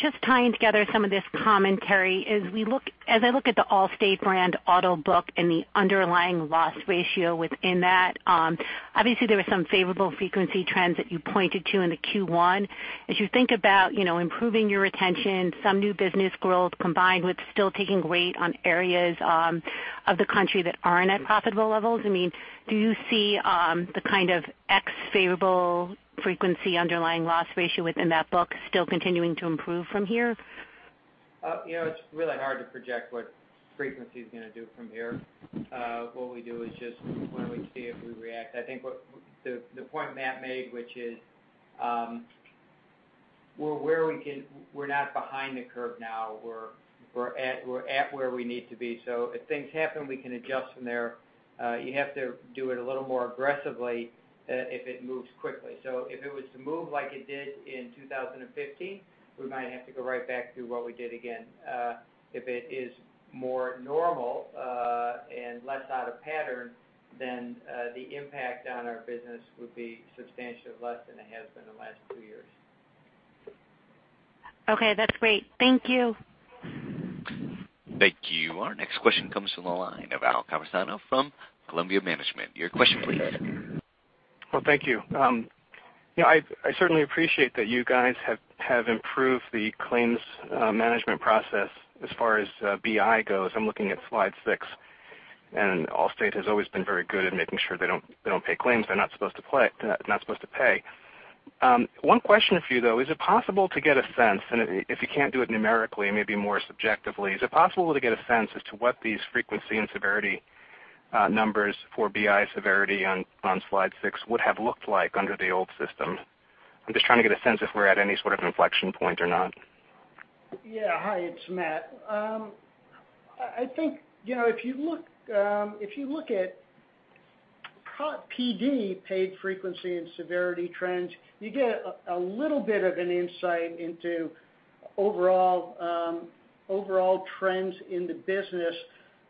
Just tying together some of this commentary, as I look at the Allstate brand auto book and the underlying loss ratio within that, obviously, there were some favorable frequency trends that you pointed to in the Q1. As you think about improving your retention, some new business growth combined with still taking rate on areas of the country that aren't at profitable levels. Do you see the kind of favorable frequency underlying loss ratio within that book still continuing to improve from here? It's really hard to project what frequency is going to do from here. What we do is just when we see it, we react. I think the point Matt made, which is We're not behind the curve now. We're at where we need to be. If things happen, we can adjust from there. You have to do it a little more aggressively if it moves quickly. If it was to move like it did in 2015, we might have to go right back to what we did again. If it is more normal, and less out of pattern, then the impact on our business would be substantially less than it has been in the last two years. Okay, that's great. Thank you. Thank you. Our next question comes from the line of Al Copersino from Columbia Management. Your question please. Well, thank you. I certainly appreciate that you guys have improved the claims management process as far as BI goes. I'm looking at slide six. Allstate has always been very good at making sure they don't pay claims they're not supposed to pay. One question for you, though, is it possible to get a sense, and if you can't do it numerically, maybe more subjectively, is it possible to get a sense as to what these frequency and severity numbers for BI severity on slide six would have looked like under the old system? I'm just trying to get a sense if we're at any sort of inflection point or not. Yeah. Hi, it's Matt. I think, if you look at PD, paid frequency and severity trends, you get a little bit of an insight into overall trends in the business.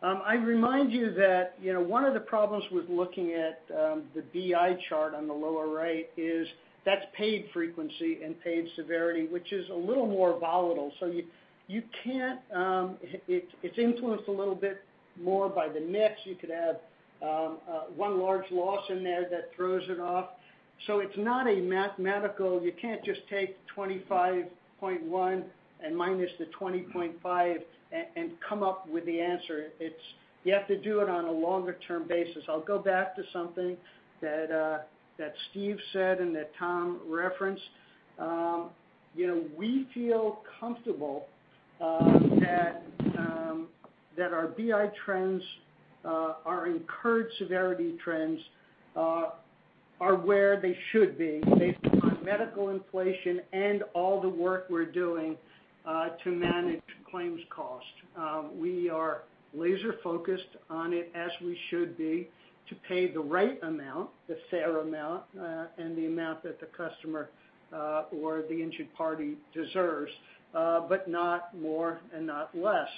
I remind you that one of the problems with looking at the BI chart on the lower right is that's paid frequency and paid severity, which is a little more volatile. It's influenced a little bit more by the mix. You could have one large loss in there that throws it off. It's not a mathematical, you can't just take 25.1 and minus the 20.5 and come up with the answer. You have to do it on a longer-term basis. I'll go back to something that Steve said and that Tom referenced. We feel comfortable that our BI trends, our incurred severity trends, are where they should be based upon medical inflation and all the work we're doing to manage claims cost. We are laser-focused on it as we should be to pay the right amount, the fair amount, and the amount that the customer or the insured party deserves, but not more and not less.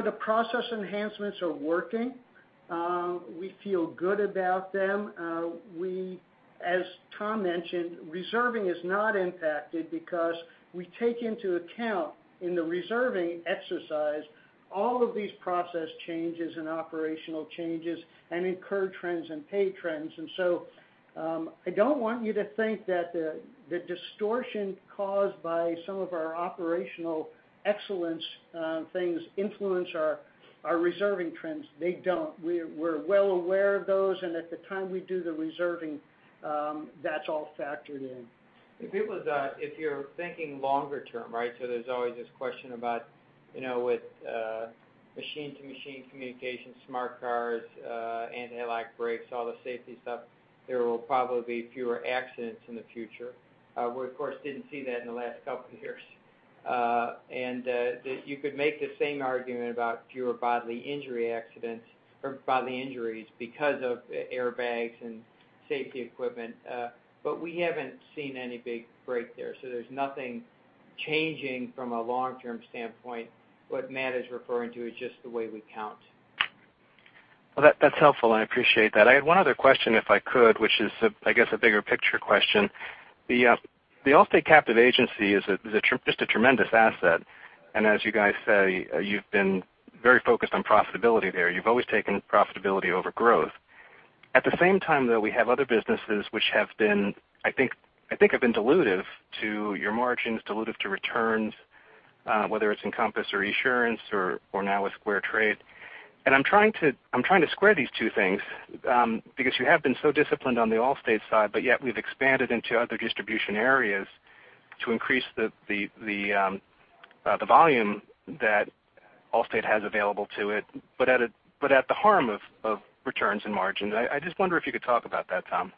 The process enhancements are working. We feel good about them. As Tom mentioned, reserving is not impacted because we take into account in the reserving exercise all of these process changes and operational changes and incurred trends and paid trends. I don't want you to think that the distortion caused by some of our operational excellence things influence our reserving trends. They don't. We're well aware of those, and at the time we do the reserving, that's all factored in. If you're thinking longer term, right? There's always this question about with machine-to-machine communication, smart cars, anti-lock brakes, all the safety stuff, there will probably be fewer accidents in the future. We, of course, didn't see that in the last couple of years. You could make the same argument about fewer bodily injury accidents or bodily injuries because of airbags and safety equipment. We haven't seen any big break there. There's nothing changing from a long-term standpoint. What Matt is referring to is just the way we count. That's helpful, and I appreciate that. I had one other question, if I could, which is, I guess, a bigger picture question. The Allstate captive agency is just a tremendous asset, and as you guys say, you've been very focused on profitability there. You've always taken profitability over growth. At the same time, though, we have other businesses which have been, I think have been dilutive to your margins, dilutive to returns, whether it's Encompass or Esurance or now with SquareTrade. I'm trying to square these two things because you have been so disciplined on the Allstate side, yet we've expanded into other distribution areas to increase the volume that Allstate has available to it, but at the harm of returns and margins. I just wonder if you could talk about that, Tom.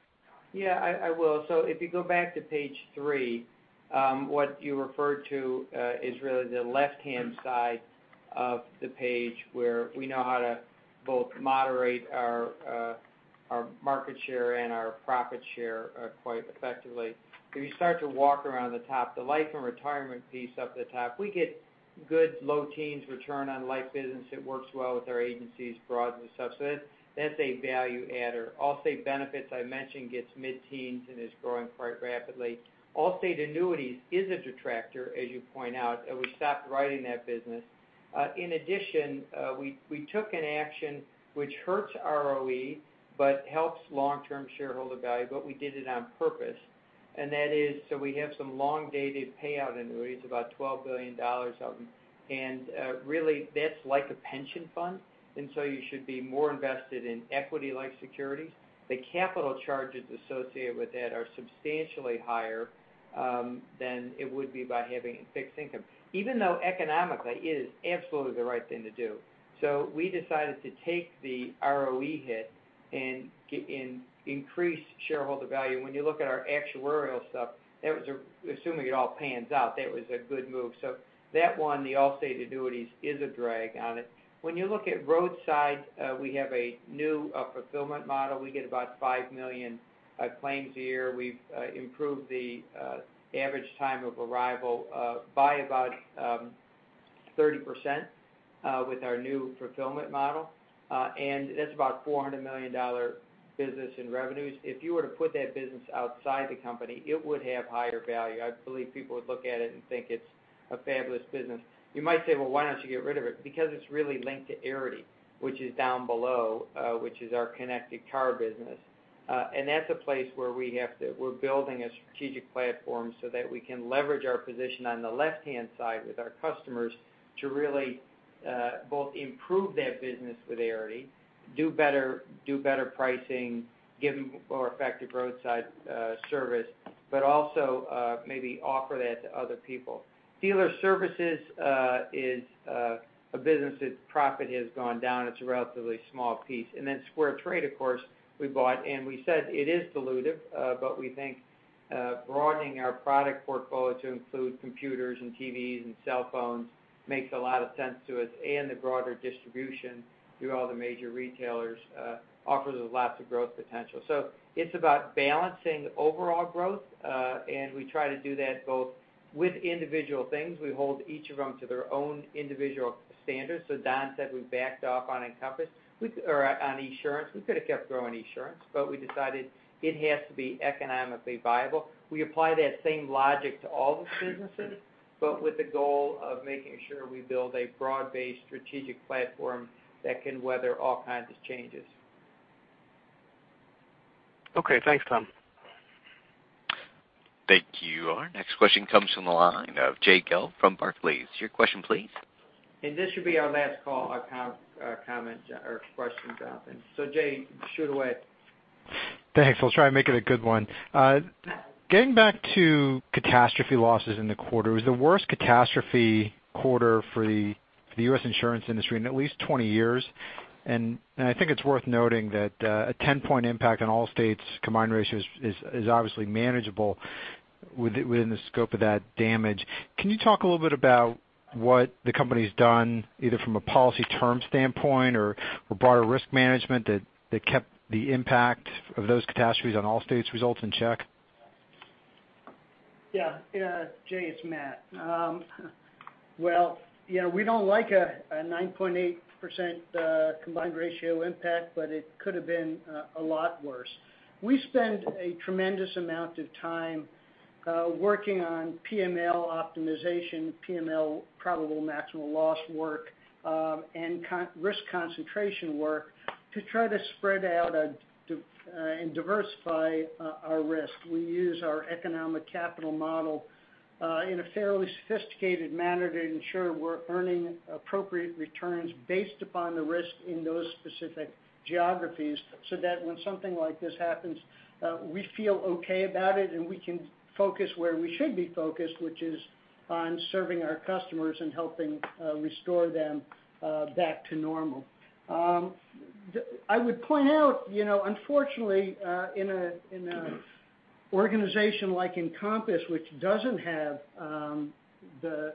I will. If you go back to page three, what you referred to is really the left-hand side of the page where we know how to both moderate our market share and our profit share quite effectively. If you start to walk around the top, the life and retirement piece up at the top, we get good low teens return on life business. It works well with our agencies broadly and stuff. That's a value adder. Allstate Benefits, I mentioned, gets mid-teens and is growing quite rapidly. Allstate Annuities is a detractor, as you point out, and we stopped writing that business. In addition, we took an action which hurts ROE but helps long-term shareholder value, we did it on purpose. That is, we have some long-dated payout annuities, about $12 billion of them. Really that's like a pension fund. You should be more invested in equity-like securities. The capital charges associated with that are substantially higher than it would be by having a fixed income, even though economically it is absolutely the right thing to do. We decided to take the ROE hit and increase shareholder value. When you look at our actuarial stuff, assuming it all pans out, that was a good move. That one, the Allstate Annuities is a drag on it. When you look at roadside, we have a new fulfillment model. We get about five million claims a year. We've improved the average time of arrival by about 30% with our new fulfillment model. That's about a $400 million business in revenues. If you were to put that business outside the company, it would have higher value. I believe people would look at it and think it's a fabulous business. You might say, "Well, why don't you get rid of it?" Because it's really linked to Arity, which is down below, which is our connected car business. That's a place where we're building a strategic platform so that we can leverage our position on the left-hand side with our customers to really both improve that business with Arity, do better pricing, give more effective roadside service, but also maybe offer that to other people. Dealer Services is a business that's profit has gone down. It's a relatively small piece. Then SquareTrade, of course, we bought and we said it is dilutive, we think broadening our product portfolio to include computers and TVs and cell phones makes a lot of sense to us. The broader distribution through all the major retailers offers lots of growth potential. It's about balancing overall growth, and we try to do that both with individual things. We hold each of them to their own individual standards. Don said we backed off on Encompass or on Esurance. We could have kept growing Esurance, but we decided it has to be economically viable. We apply that same logic to all the businesses, but with the goal of making sure we build a broad-based strategic platform that can weather all kinds of changes. Okay. Thanks, Tom. Thank you. Our next question comes from the line of Jay Gelb from Barclays. Your question, please. This should be our last call or comment or question, Jonathan. Jay, shoot away. Thanks. I'll try and make it a good one. Getting back to catastrophe losses in the quarter, it was the worst catastrophe quarter for the U.S. insurance industry in at least 20 years. I think it's worth noting that a 10-point impact on Allstate's combined ratios is obviously manageable within the scope of that damage. Can you talk a little bit about what the company's done, either from a policy term standpoint or broader risk management that kept the impact of those catastrophes on Allstate's results in check? Yeah. Jay, it's Matt. Well, we don't like a 9.8% combined ratio impact, but it could have been a lot worse. We spend a tremendous amount of time working on PML optimization, PML probable maximal loss work, and risk concentration work to try to spread out and diversify our risk. We use our economic capital model in a fairly sophisticated manner to ensure we're earning appropriate returns based upon the risk in those specific geographies, so that when something like this happens, we feel okay about it, and we can focus where we should be focused, which is on serving our customers and helping restore them back to normal. I would point out, unfortunately, in an organization like Encompass, which doesn't have the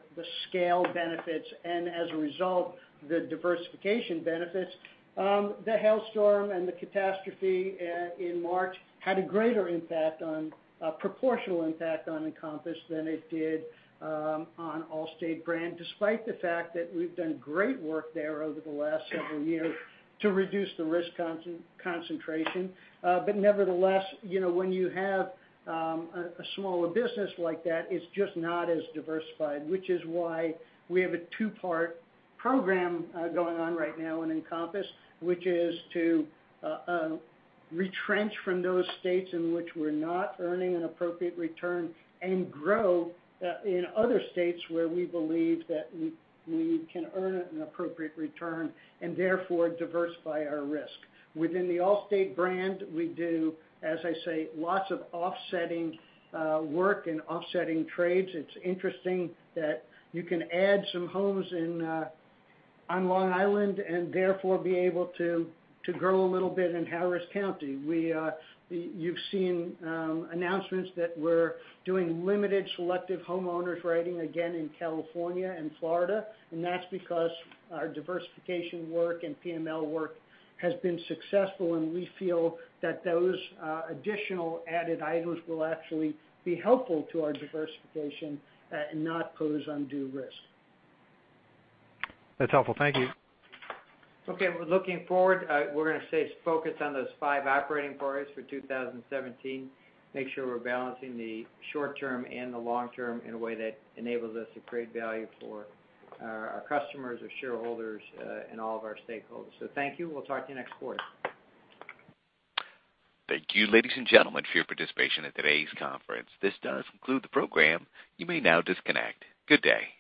scale benefits and as a result, the diversification benefits, the hailstorm and the catastrophe in March had a greater impact on, proportional impact on Encompass than it did on Allstate brand, despite the fact that we've done great work there over the last several years to reduce the risk concentration. Nevertheless, when you have a smaller business like that, it's just not as diversified, which is why we have a two-part program going on right now in Encompass, which is to retrench from those states in which we're not earning an appropriate return and grow in other states where we believe that we can earn an appropriate return and therefore diversify our risk. Within the Allstate brand, we do, as I say, lots of offsetting work and offsetting trades. It's interesting that you can add some homes on Long Island and therefore be able to grow a little bit in Harris County. You've seen announcements that we're doing limited selective homeowners writing again in California and Florida, that's because our diversification work and PML work has been successful, and we feel that those additional added items will actually be helpful to our diversification, not pose undue risk. That's helpful. Thank you. Okay. Well, looking forward, we're going to stay focused on those five operating parties for 2017, make sure we're balancing the short term and the long term in a way that enables us to create value for our customers, our shareholders, and all of our stakeholders. Thank you. We'll talk to you next quarter. Thank you, ladies and gentlemen, for your participation in today's conference. This does conclude the program. You may now disconnect. Good day.